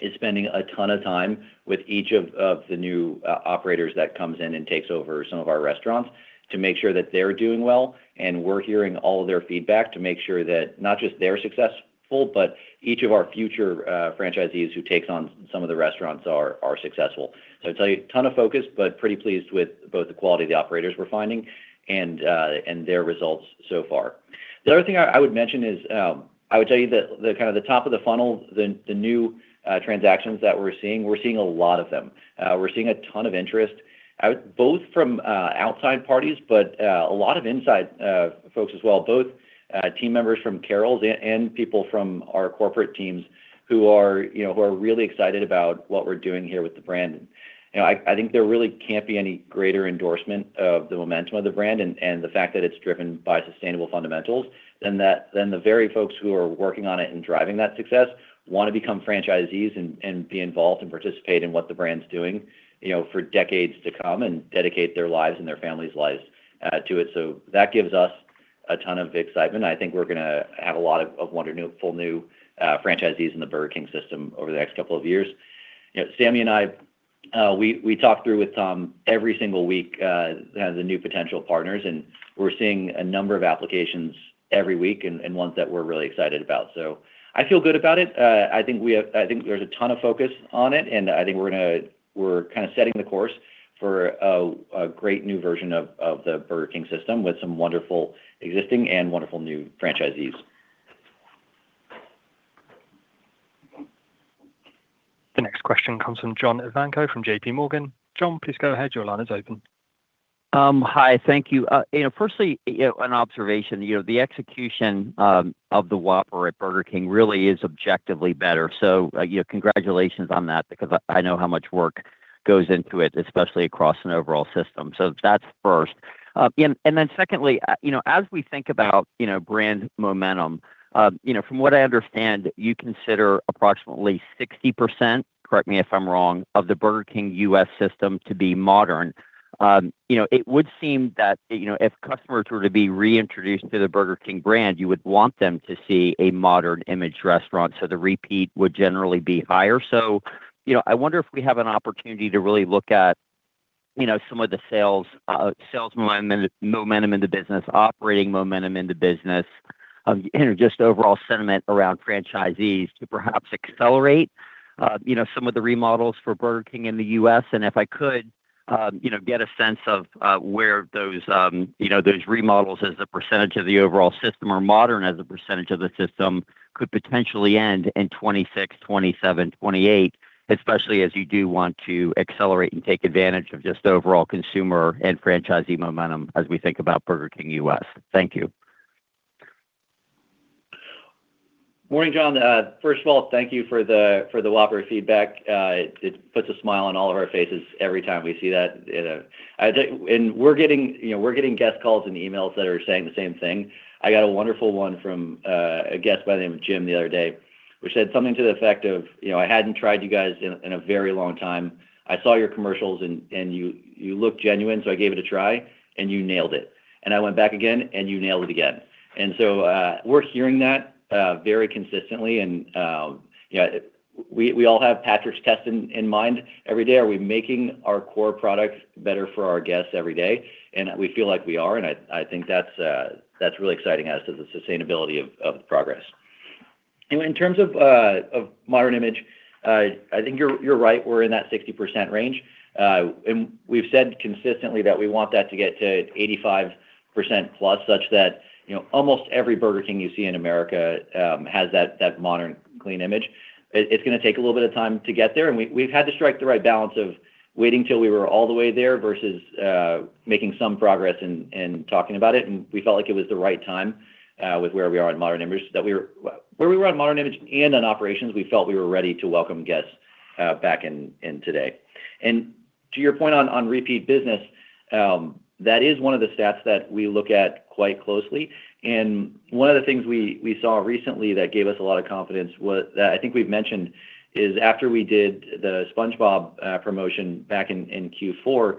is spending a ton of time with each of the new operators that comes in and takes over some of our restaurants to make sure that they're doing well. We're hearing all of their feedback to make sure that not just they're successful, but each of our future franchisees who takes on some of the restaurants are successful. I'd tell you, ton of focus, but pretty pleased with both the quality of the operators we're finding and their results so far. The other thing I would mention is, I would tell you the kind of the top of the funnel, the new transactions that we're seeing, we're seeing a lot of them. We're seeing a ton of interest out, both from outside parties, but a lot of inside folks as well, both team members from Carrols and people from our corporate teams who are, you know, who are really excited about what we're doing here with the brand. You know, I think there really can't be any greater endorsement of the momentum of the brand and the fact that it's driven by sustainable fundamentals than that, than the very folks who are working on it and driving that success want to become franchisees and be involved and participate in what the brand's doing, you know, for decades to come and dedicate their lives and their family's lives to it. That gives us a ton of excitement, and I think we're gonna have a lot of full new franchisees in the Burger King system over the next couple of years. You know, Sami and I, we talk through with Tom every single week the new potential partners, and we're seeing a number of applications every week and ones that we're really excited about. I feel good about it. I think there's a ton of focus on it, and I think we're kind of setting the course for a great new version of the Burger King system with some wonderful existing and wonderful new franchisees. The next question comes from John Ivankoe from J.P. Morgan. John, please go ahead. Your line is open. Hi. Thank you. You know, firstly, you know, an observation. You know, the execution of the Whopper at Burger King really is objectively better. You know, congratulations on that because I know how much work goes into it, especially across an overall system. That's first. Then secondly, you know, as we think about, you know, brand momentum, you know, from what I understand, you consider approximately 60%, correct me if I'm wrong, of the Burger King U.S. system to be modern. You know, it would seem that, you know, if customers were to be reintroduced to the Burger King brand, you would want them to see a modern image restaurant, so the repeat would generally be higher. You know, I wonder if we have an opportunity to really look at, you know, some of the sales momentum in the business, operating momentum in the business, you know, just overall sentiment around franchisees to perhaps accelerate, you know, some of the remodels for Burger King in the U.S. If I could, you know, get a sense of, where those, you know, those remodels as a percentage of the overall system are modern as a percentage of the system could potentially end in 2026, 2027, 2028, especially as you do want to accelerate and take advantage of just the overall consumer and franchisee momentum as we think about Burger King U.S. Thank you. Morning, John. First of all, thank you for the Whopper feedback. It puts a smile on all of our faces every time we see that. You know, I think we're getting, you know, we're getting guest calls and emails that are saying the same thing. I got a wonderful one from a guest by the name of Jim the other day, which said something to the effect of, "You know, I hadn't tried you guys in a very long time. I saw your commercials and you look genuine, I gave it a try, and you nailed it. I went back again, you nailed it again." We're hearing that very consistently and, you know, we all have Patrick's test in mind every day. Are we making our core products better for our guests every day? We feel like we are, and I think that's really exciting as to the sustainability of the progress. In terms of modern image, I think you're right. We're in that 60% range. We've said consistently that we want that to get to 85%+ such that, you know, almost every Burger King you see in America has that modern, clean image. It's gonna take a little bit of time to get there, and we've had to strike the right balance of waiting till we were all the way there versus making some progress and talking about it. We felt like it was the right time, with where we were on modern image and on operations, we felt we were ready to welcome guests back in today. To your point on repeat business, that is one of the stats that we look at quite closely. One of the things we saw recently that gave us a lot of confidence was that I think we've mentioned, is after we did the SpongeBob promotion back in Q4,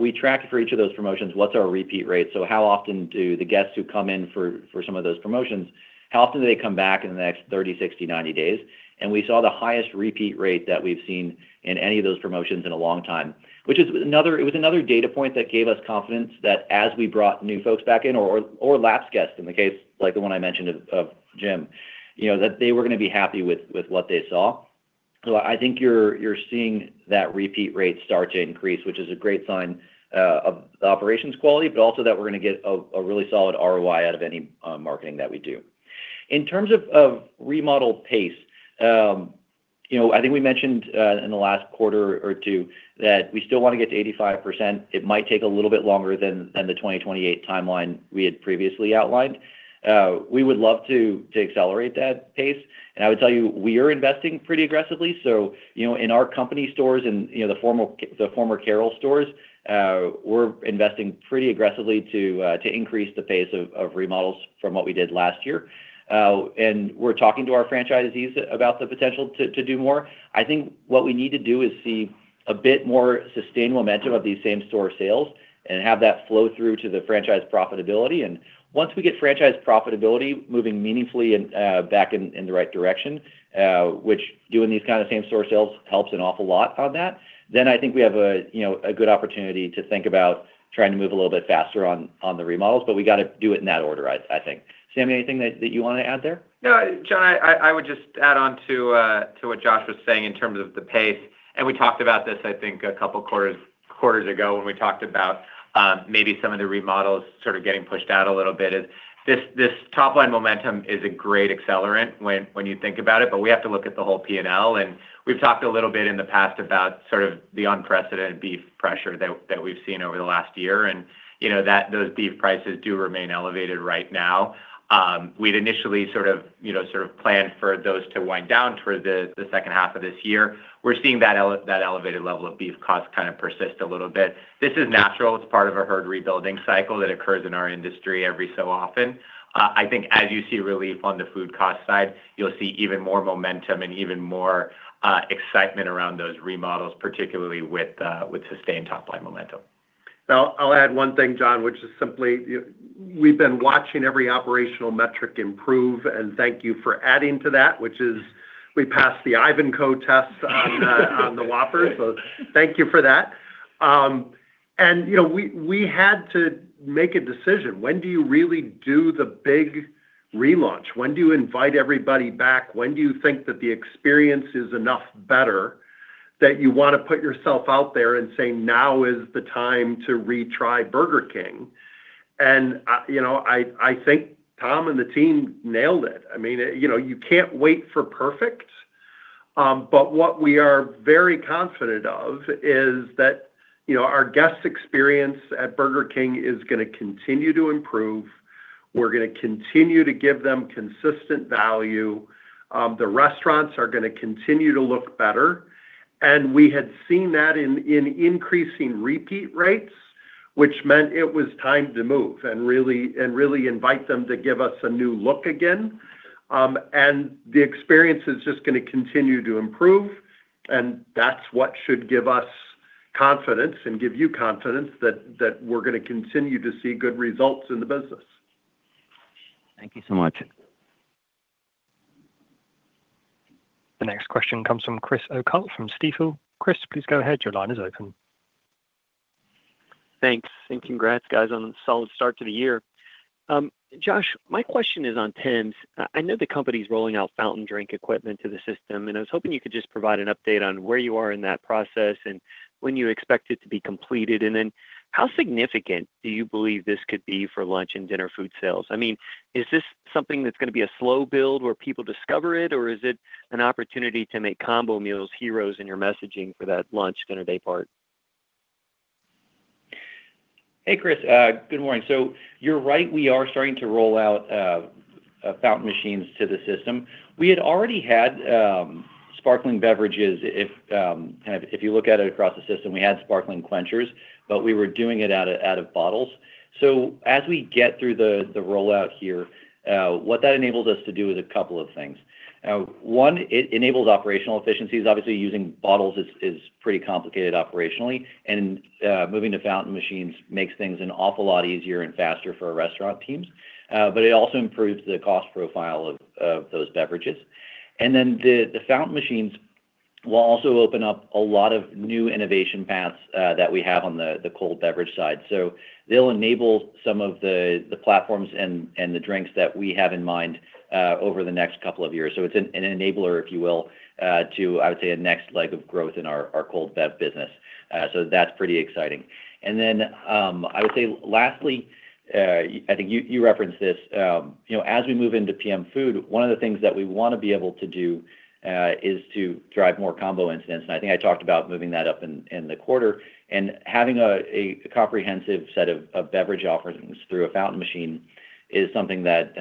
we tracked for each of those promotions what's our repeat rate. How often do the guests who come in for some of those promotions, how often do they come back in the next 30, 60, 90 days? We saw the highest repeat rate that we've seen in any of those promotions in a long time, which was another data point that gave us confidence that as we brought new folks back in or lapsed guests in the case like the one I mentioned of Jim, you know, that they were gonna be happy with what they saw. I think you're seeing that repeat rate start to increase, which is a great sign of the operations quality, but also that we're gonna get a really solid ROI out of any marketing that we do. In terms of remodel pace, you know, I think we mentioned in the last quarter or two that we still wanna get to 85%. It might take a little bit longer than the 2028 timeline we had previously outlined. We would love to accelerate that pace, and I would tell you, we are investing pretty aggressively. You know, in our company stores and, you know, the former Carrols stores, we're investing pretty aggressively to increase the pace of remodels from what we did last year. We're talking to our franchisees about the potential to do more. I think what we need to do is see a bit more sustained momentum of these same-store sales and have that flow through to the franchise profitability. Once we get franchise profitability moving meaningfully and back in the right direction, which doing these kinda same-store sales helps an awful lot on that, then I think we have a good opportunity to think about trying to move a little bit faster on the remodels. We gotta do it in that order, I think. Sami, anything that you wanna add there? No, John, I would just add on to what Josh was saying in terms of the pace, and we talked about this, I think, a couple quarters ago when we talked about maybe some of the remodels sort of getting pushed out a little bit. This top line momentum is a great accelerant when you think about it, but we have to look at the whole P&L. We've talked a little bit in the past about sort of the unprecedented beef pressure that we've seen over the last year and, you know, that those beef prices do remain elevated right now. We'd initially sort of, you know, planned for those to wind down toward the second half of this year. We're seeing that elevated level of beef costs kind of persist a little bit. This is natural. It's part of a herd rebuilding cycle that occurs in our industry every so often. I think as you see relief on the food cost side, you'll see even more momentum and even more excitement around those remodels, particularly with sustained top-line momentum. Well, I'll add one thing, John, which is simply we've been watching every operational metric improve, and thank you for adding to that, which is we passed the Ivankoe test on the Whopper. Thank you for that. You know, we had to make a decision. When do you really do the big relaunch? When do you invite everybody back? When do you think that the experience is enough better that you wanna put yourself out there and say, "Now is the time to retry Burger King"? You know, I think Tom and the team nailed it. I mean, you know, you can't wait for perfect. What we are very confident of is that, you know, our guest experience at Burger King is gonna continue to improve. We're gonna continue to give them consistent value. The restaurants are gonna continue to look better. We had seen that in increasing repeat rates, which meant it was time to move and really invite them to give us a new look again. The experience is just gonna continue to improve, and that's what should give us confidence and give you confidence that we're gonna continue to see good results in the business. Thank you so much. The next question comes from Chris O'Cull from Stifel. Chris, please go ahead. Your line is open. Thanks, congrats, guys, on a solid start to the year. Josh, my question is on Tims. I know the company's rolling out fountain drink equipment to the system, and I was hoping you could just provide an update on where you are in that process and when you expect it to be completed. How significant do you believe this could be for lunch and dinner food sales? I mean, is this something that's gonna be a slow build where people discover it, or is it an opportunity to make combo meals heroes in your messaging for that lunch, dinner day part? Hey, Chris. Good morning. You're right. We are starting to roll out fountain machines to the system. We had already had sparkling beverages if you look at it across the system, we had Sparkling Quenchers, but we were doing it out of bottles. As we get through the rollout here, what that enables us to do is couple of things. One, it enables operational efficiencies. Obviously, using bottles is pretty complicated operationally, and moving to fountain machines makes things an awful lot easier and faster for our restaurant teams. It also improves the cost profile of those beverages. The fountain machines will also open up a lot of new innovation paths that we have on the cold beverage side. They'll enable some of the platforms and the drinks that we have in mind over the next couple of years. It's an enabler, if you will, to, I would say, a next leg of growth in our cold bev business. That's pretty exciting. I would say lastly, I think you referenced this, you know, as we move into PM food, one of the things that we want to be able to do is to drive more combo incidents. I think I talked about moving that up in the quarter. Having a comprehensive set of beverage offerings through a fountain machine is something that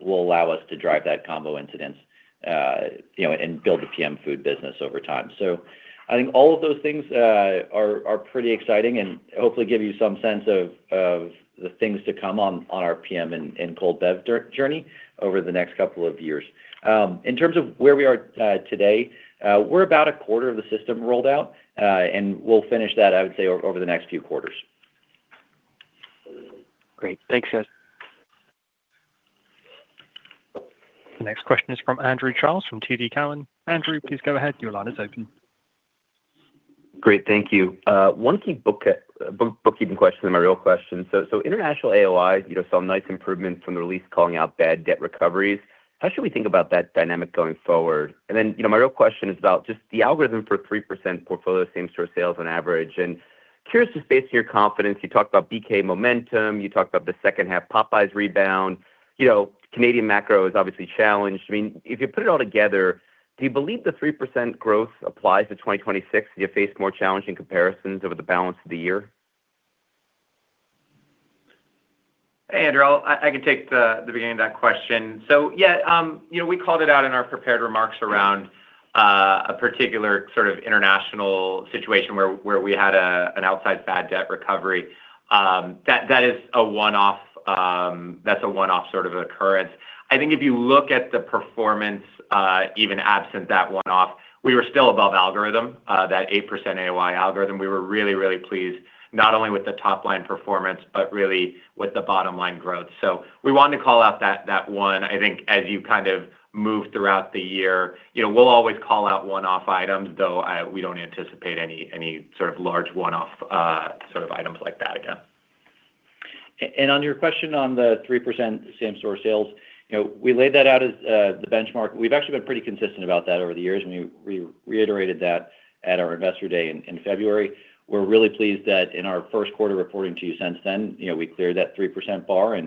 will allow us to drive that combo incidents, you know, and build the PM food business over time. I think all of those things are pretty exciting and hopefully give you some sense of the things to come on our PM and cold bev journey over the next couple of years. In terms of where we are today, we're about a quarter of the system rolled out, and we'll finish that, I would say, over the next few quarters. Great. Thanks, guys. The next question is from Andrew Charles from TD Cowen. Andrew, please go ahead. Great. Thank you. One key book, bookkeeping question and my real question. International AOI, you know, saw nice improvements from the release, calling out bad debt recoveries. How should we think about that dynamic going forward? You know, my real question is about just the algorithm for 3% portfolio same-store sales on average. Curious just based on your confidence, you talked about BK momentum, you talked about the second half Popeyes rebound. You know, Canadian macro is obviously challenged. I mean, if you put it all together, do you believe the 3% growth applies to 2026? Do you face more challenging comparisons over the balance of the year? Hey, Andrew. I can take the beginning of that question. Yeah, you know, we called it out in our prepared remarks around a particular sort of international situation where we had an outsized bad debt recovery. That is a one-off, that's a one-off sort of occurrence. I think if you look at the performance, even absent that one-off, we were still above algorithm, that 8% AOI algorithm. We were really pleased not only with the top line performance, but really with the bottom line growth. We wanted to call out that one. I think as you kind of move throughout the year, you know, we'll always call out one-off items, though we don't anticipate any sort of large one-off sort of items like that again. On your question on the 3% same-store sales, you know, we laid that out as the benchmark. We've actually been pretty consistent about that over the years, and we reiterated that at our Investor Day in February. We're really pleased that in our first quarter reporting to you since then, you know, we cleared that 3% bar.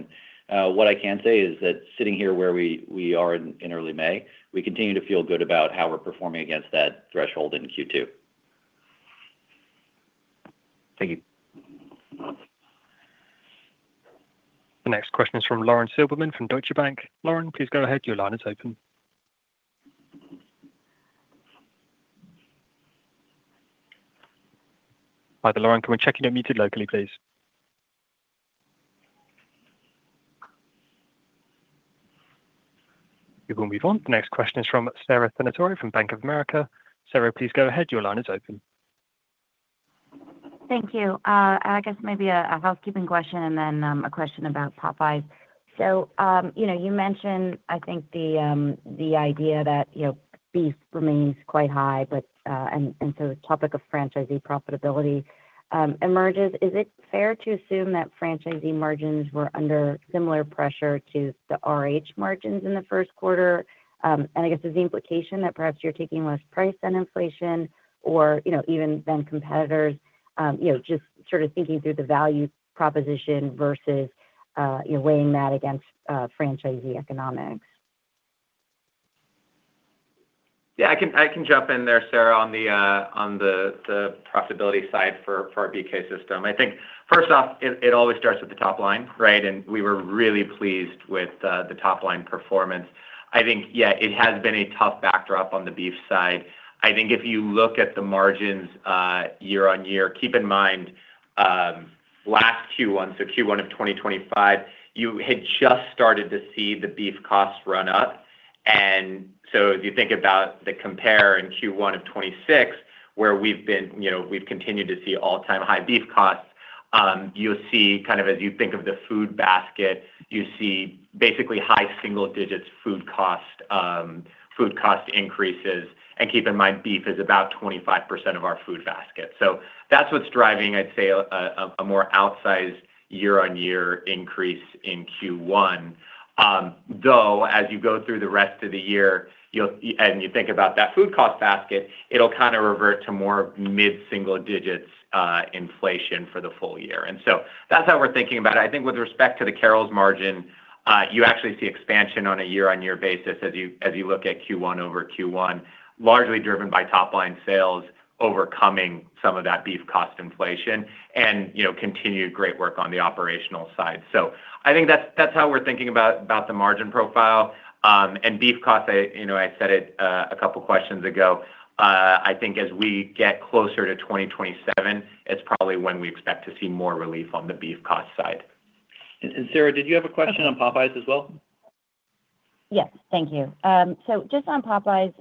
What I can say is that sitting here where we are in early May, we continue to feel good about how we're performing against that threshold in Q2. Thank you. The next question is from Lauren Silberman from Deutsche Bank. Lauren, please go ahead. Hi there, Lauren. Can we check you're muted locally, please? We're gonna move on. The next question is from Sara Senatore from Bank of America. Sara, please go ahead. Thank you. I guess maybe a housekeeping question and then a question about Popeyes. you know, you mentioned, I think the idea that, you know, beef remains quite high, but and so the topic of franchisee profitability emerges. Is it fair to assume that franchisee margins were under similar pressure to the RH margins in the first quarter? I guess is the implication that perhaps you're taking less price than inflation or, you know, even than competitors? you know, just sort of thinking through the value proposition versus, you know, weighing that against franchisee economics. Yeah, I can jump in there, Sara, on the profitability side for our BK system. I think first off, it always starts with the top line, right? We were really pleased with the top line performance. I think, yeah, it has been a tough backdrop on the beef side. I think if you look at the margins, year-over-year, keep in mind, last Q1, so Q1 of 2025, you had just started to see the beef costs run up. If you think about the compare in Q1 of 2026, where we've been, you know, we've continued to see all-time high beef costs. You'll see kind of as you think of the food basket, you see basically high single-digit food cost increases. Keep in mind, beef is about 25% of our food basket. That's what's driving, I'd say, a more outsized year-on-year increase in Q1. Though, as you go through the rest of the year, and you think about that food cost basket, it'll kind of revert to more mid-single digits inflation for the full year. That's how we're thinking about it. I think with respect to the Carrols margin, you actually see expansion on a year-on-year basis as you look at Q1 over Q1, largely driven by top line sales overcoming some of that beef cost inflation and, you know, continued great work on the operational side. I think that's how we're thinking about the margin profile. Beef costs, you know, I said it a couple of questions ago. I think as we get closer to 2027, it's probably when we expect to see more relief on the beef cost side. Sara, did you have a question on Popeyes as well? Yes. Thank you. Just on Popeyes,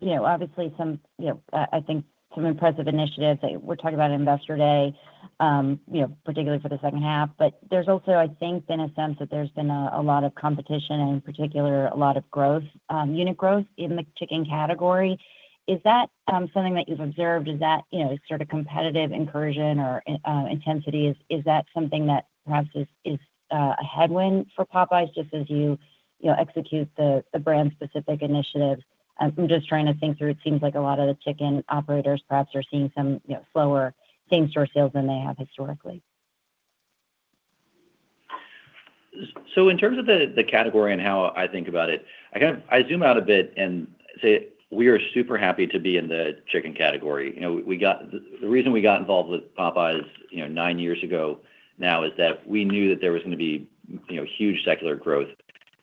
you know, obviously some, you know, I think some impressive initiatives that we're talking about at Investor Day, you know, particularly for the second half. There's also, I think, been a sense that there's been a lot of competition and in particular a lot of growth, unit growth in the chicken category. Is that something that you've observed? Is that, you know, sort of competitive incursion or intensity? Is that something that perhaps is a headwind for Popeyes just as you know, execute the brand specific initiatives? I'm just trying to think through. It seems like a lot of the chicken operators perhaps are seeing some, you know, slower same store sales than they have historically. In terms of the category and how I think about it, I zoom out a bit and say we are super happy to be in the chicken category. You know, we got the reason we got involved with Popeyes, you know, nine years ago now is that we knew that there was gonna be, you know, huge secular growth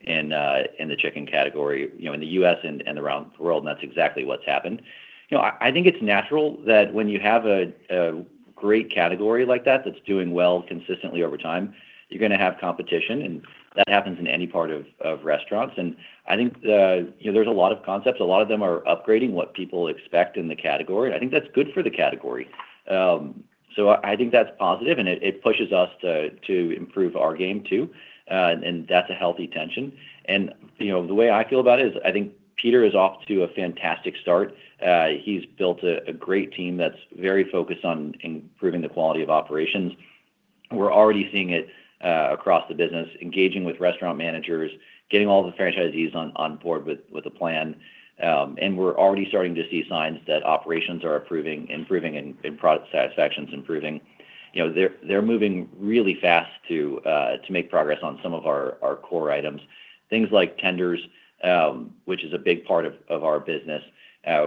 in the chicken category, you know, in the U.S. and around the world, and that's exactly what's happened. You know, I think it's natural that when you have a great category like that that's doing well consistently over time, you're gonna have competition, and that happens in any part of restaurants. I think, you know, there's a lot of concepts. A lot of them are upgrading what people expect in the category. I think that's good for the category. I think that's positive, and it pushes us to improve our game too, and that's a healthy tension. You know, the way I feel about it is I think Peter is off to a fantastic start. He's built a great team that's very focused on improving the quality of operations. We're already seeing it across the business, engaging with restaurant managers, getting all the franchisees on board with a plan. We're already starting to see signs that operations are improving, and product satisfaction's improving. You know, they're moving really fast to make progress on some of our core items. Things like tenders, which is a big part of our business.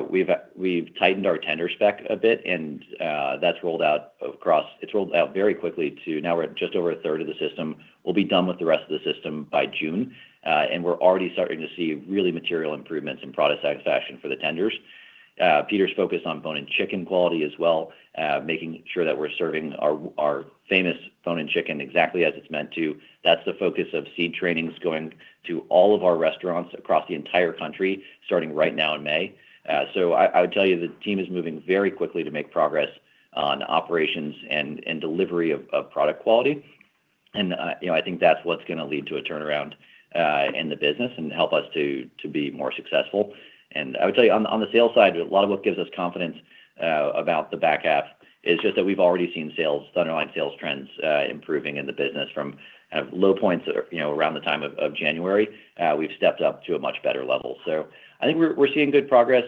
We've tightened our tender spec a bit. It's rolled out very quickly to now we're at just over a third of the system. We'll be done with the rest of the system by June. We're already starting to see really material improvements in product satisfaction for the tenders. Peter's focused on bone-in chicken quality as well, making sure that we're serving our famous bone-in chicken exactly as it's meant to. That's the focus of seed trainings going to all of our restaurants across the entire country, starting right now in May. I would tell you the team is moving very quickly to make progress on operations and delivery of product quality. You know, I think that's what's gonna lead to a turnaround in the business and help us to be more successful. I would tell you on the sales side, a lot of what gives us confidence about the back half is just that we've already seen sales, underlying sales trends, improving in the business from kind of low points, you know, around the time of January. We've stepped up to a much better level. I think we're seeing good progress.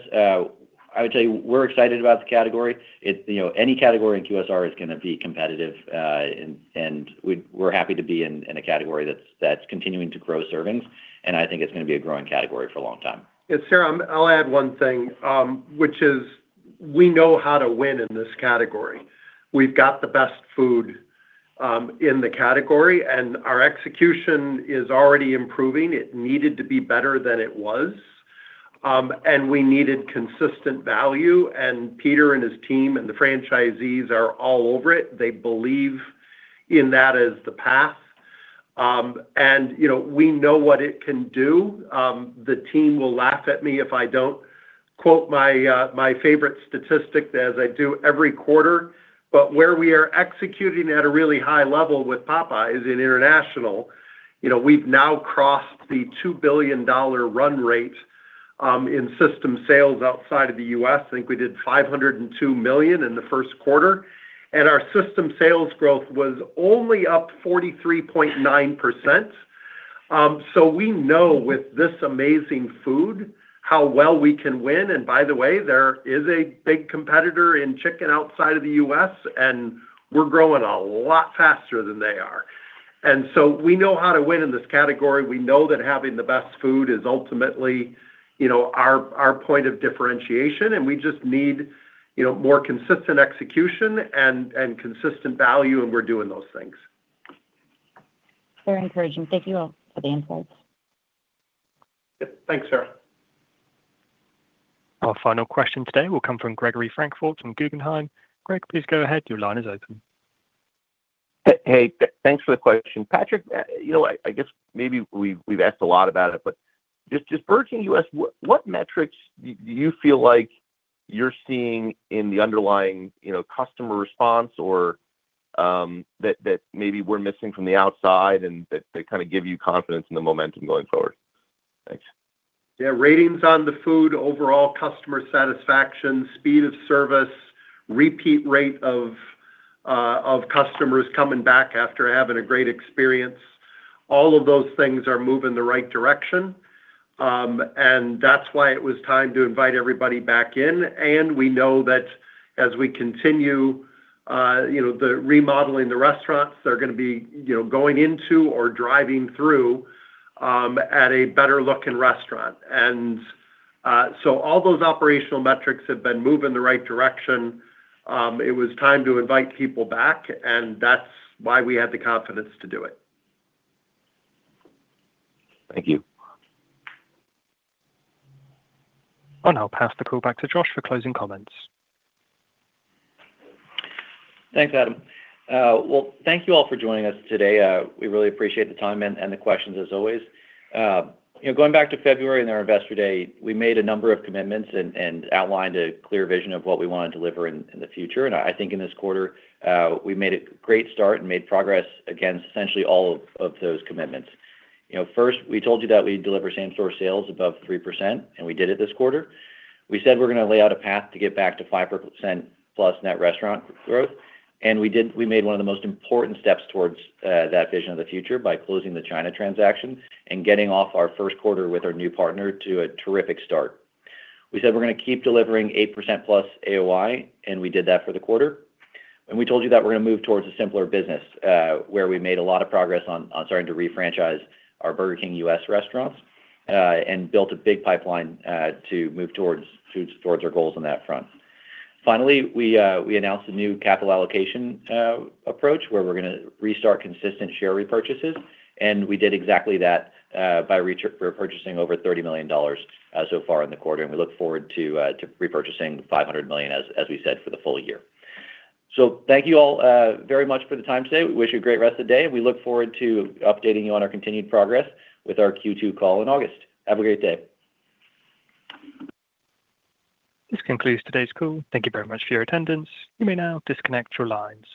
I would tell you we're excited about the category. You know, any category in QSR is gonna be competitive, and we're happy to be in a category that's continuing to grow servings, and I think it's gonna be a growing category for a long time. Sara, I'll add one thing, which is we know how to win in this category. We've got the best food in the category, and our execution is already improving. It needed to be better than it was. We needed consistent value, and Peter and his team and the franchisees are all over it. They believe in that as the path. You know, we know what it can do. The team will laugh at me if I don't quote my favorite statistic as I do every quarter. Where we are executing at a really high level with Popeyes in international, you know, we've now crossed the $2 billion run rate in system sales outside of the U.S. I think we did $502 million in the first quarter, and our system sales growth was only up 43.9%. We know with this amazing food how well we can win, and by the way, there is a big competitor in chicken outside of the U.S., and we're growing a lot faster than they are. We know how to win in this category. We know that having the best food is ultimately, you know, our point of differentiation. We just need, you know, more consistent execution and consistent value, and we're doing those things. Very encouraging. Thank you all for the insights. Yep. Thanks, Sara. Our final question today will come from Gregory Francfort from Guggenheim. Greg, please go ahead. Your line is open. Hey, thanks for the question, Patrick. You know what? I guess maybe we've asked a lot about it, but just Burger King U.S., what metrics do you feel like you're seeing in the underlying, you know, customer response or, that kind of give you confidence in the momentum going forward? Thanks. Ratings on the food, overall customer satisfaction, speed of service, repeat rate of customers coming back after having a great experience, all of those things are moving the right direction. That's why it was time to invite everybody back in. We know that as we continue, you know, the remodeling the restaurants, they're gonna be, you know, going into or driving through at a better looking restaurant. All those operational metrics have been moving the right direction. It was time to invite people back, that's why we had the confidence to do it. Thank you. I'll now pass the call back to Josh for closing comments. Thanks, Adam. Well, thank you all for joining us today. We really appreciate the time and the questions as always. You know, going back to February and our Investor Day, we made a number of commitments and outlined a clear vision of what we want to deliver in the future. I think in this quarter, we made a great start and made progress against essentially all of those commitments. You know, first, we told you that we'd deliver same store sales above 3%, we did it this quarter. We said we're gonna lay out a path to get back to 5%+ net restaurant growth, and we did. We made one of the most important steps towards that vision of the future by closing the China transaction and getting off our first quarter with our new partner to a terrific start. We said we're gonna keep delivering 8%+ AOI, and we did that for the quarter. We told you that we're gonna move towards a simpler business, where we made a lot of progress on starting to refranchise our Burger King U.S. restaurants, and built a big pipeline to move towards our goals on that front. Finally, we announced a new capital allocation approach where we're going to restart consistent share repurchases, and we did exactly that by repurchasing over $30 million so far in the quarter. We look forward to repurchasing $500 million as we said for the full year. Thank you all very much for the time today. We wish you a great rest of the day, and we look forward to updating you on our continued progress with our Q2 call in August. Have a great day. This concludes today's call. Thank you very much for your attendance. You may now disconnect your lines.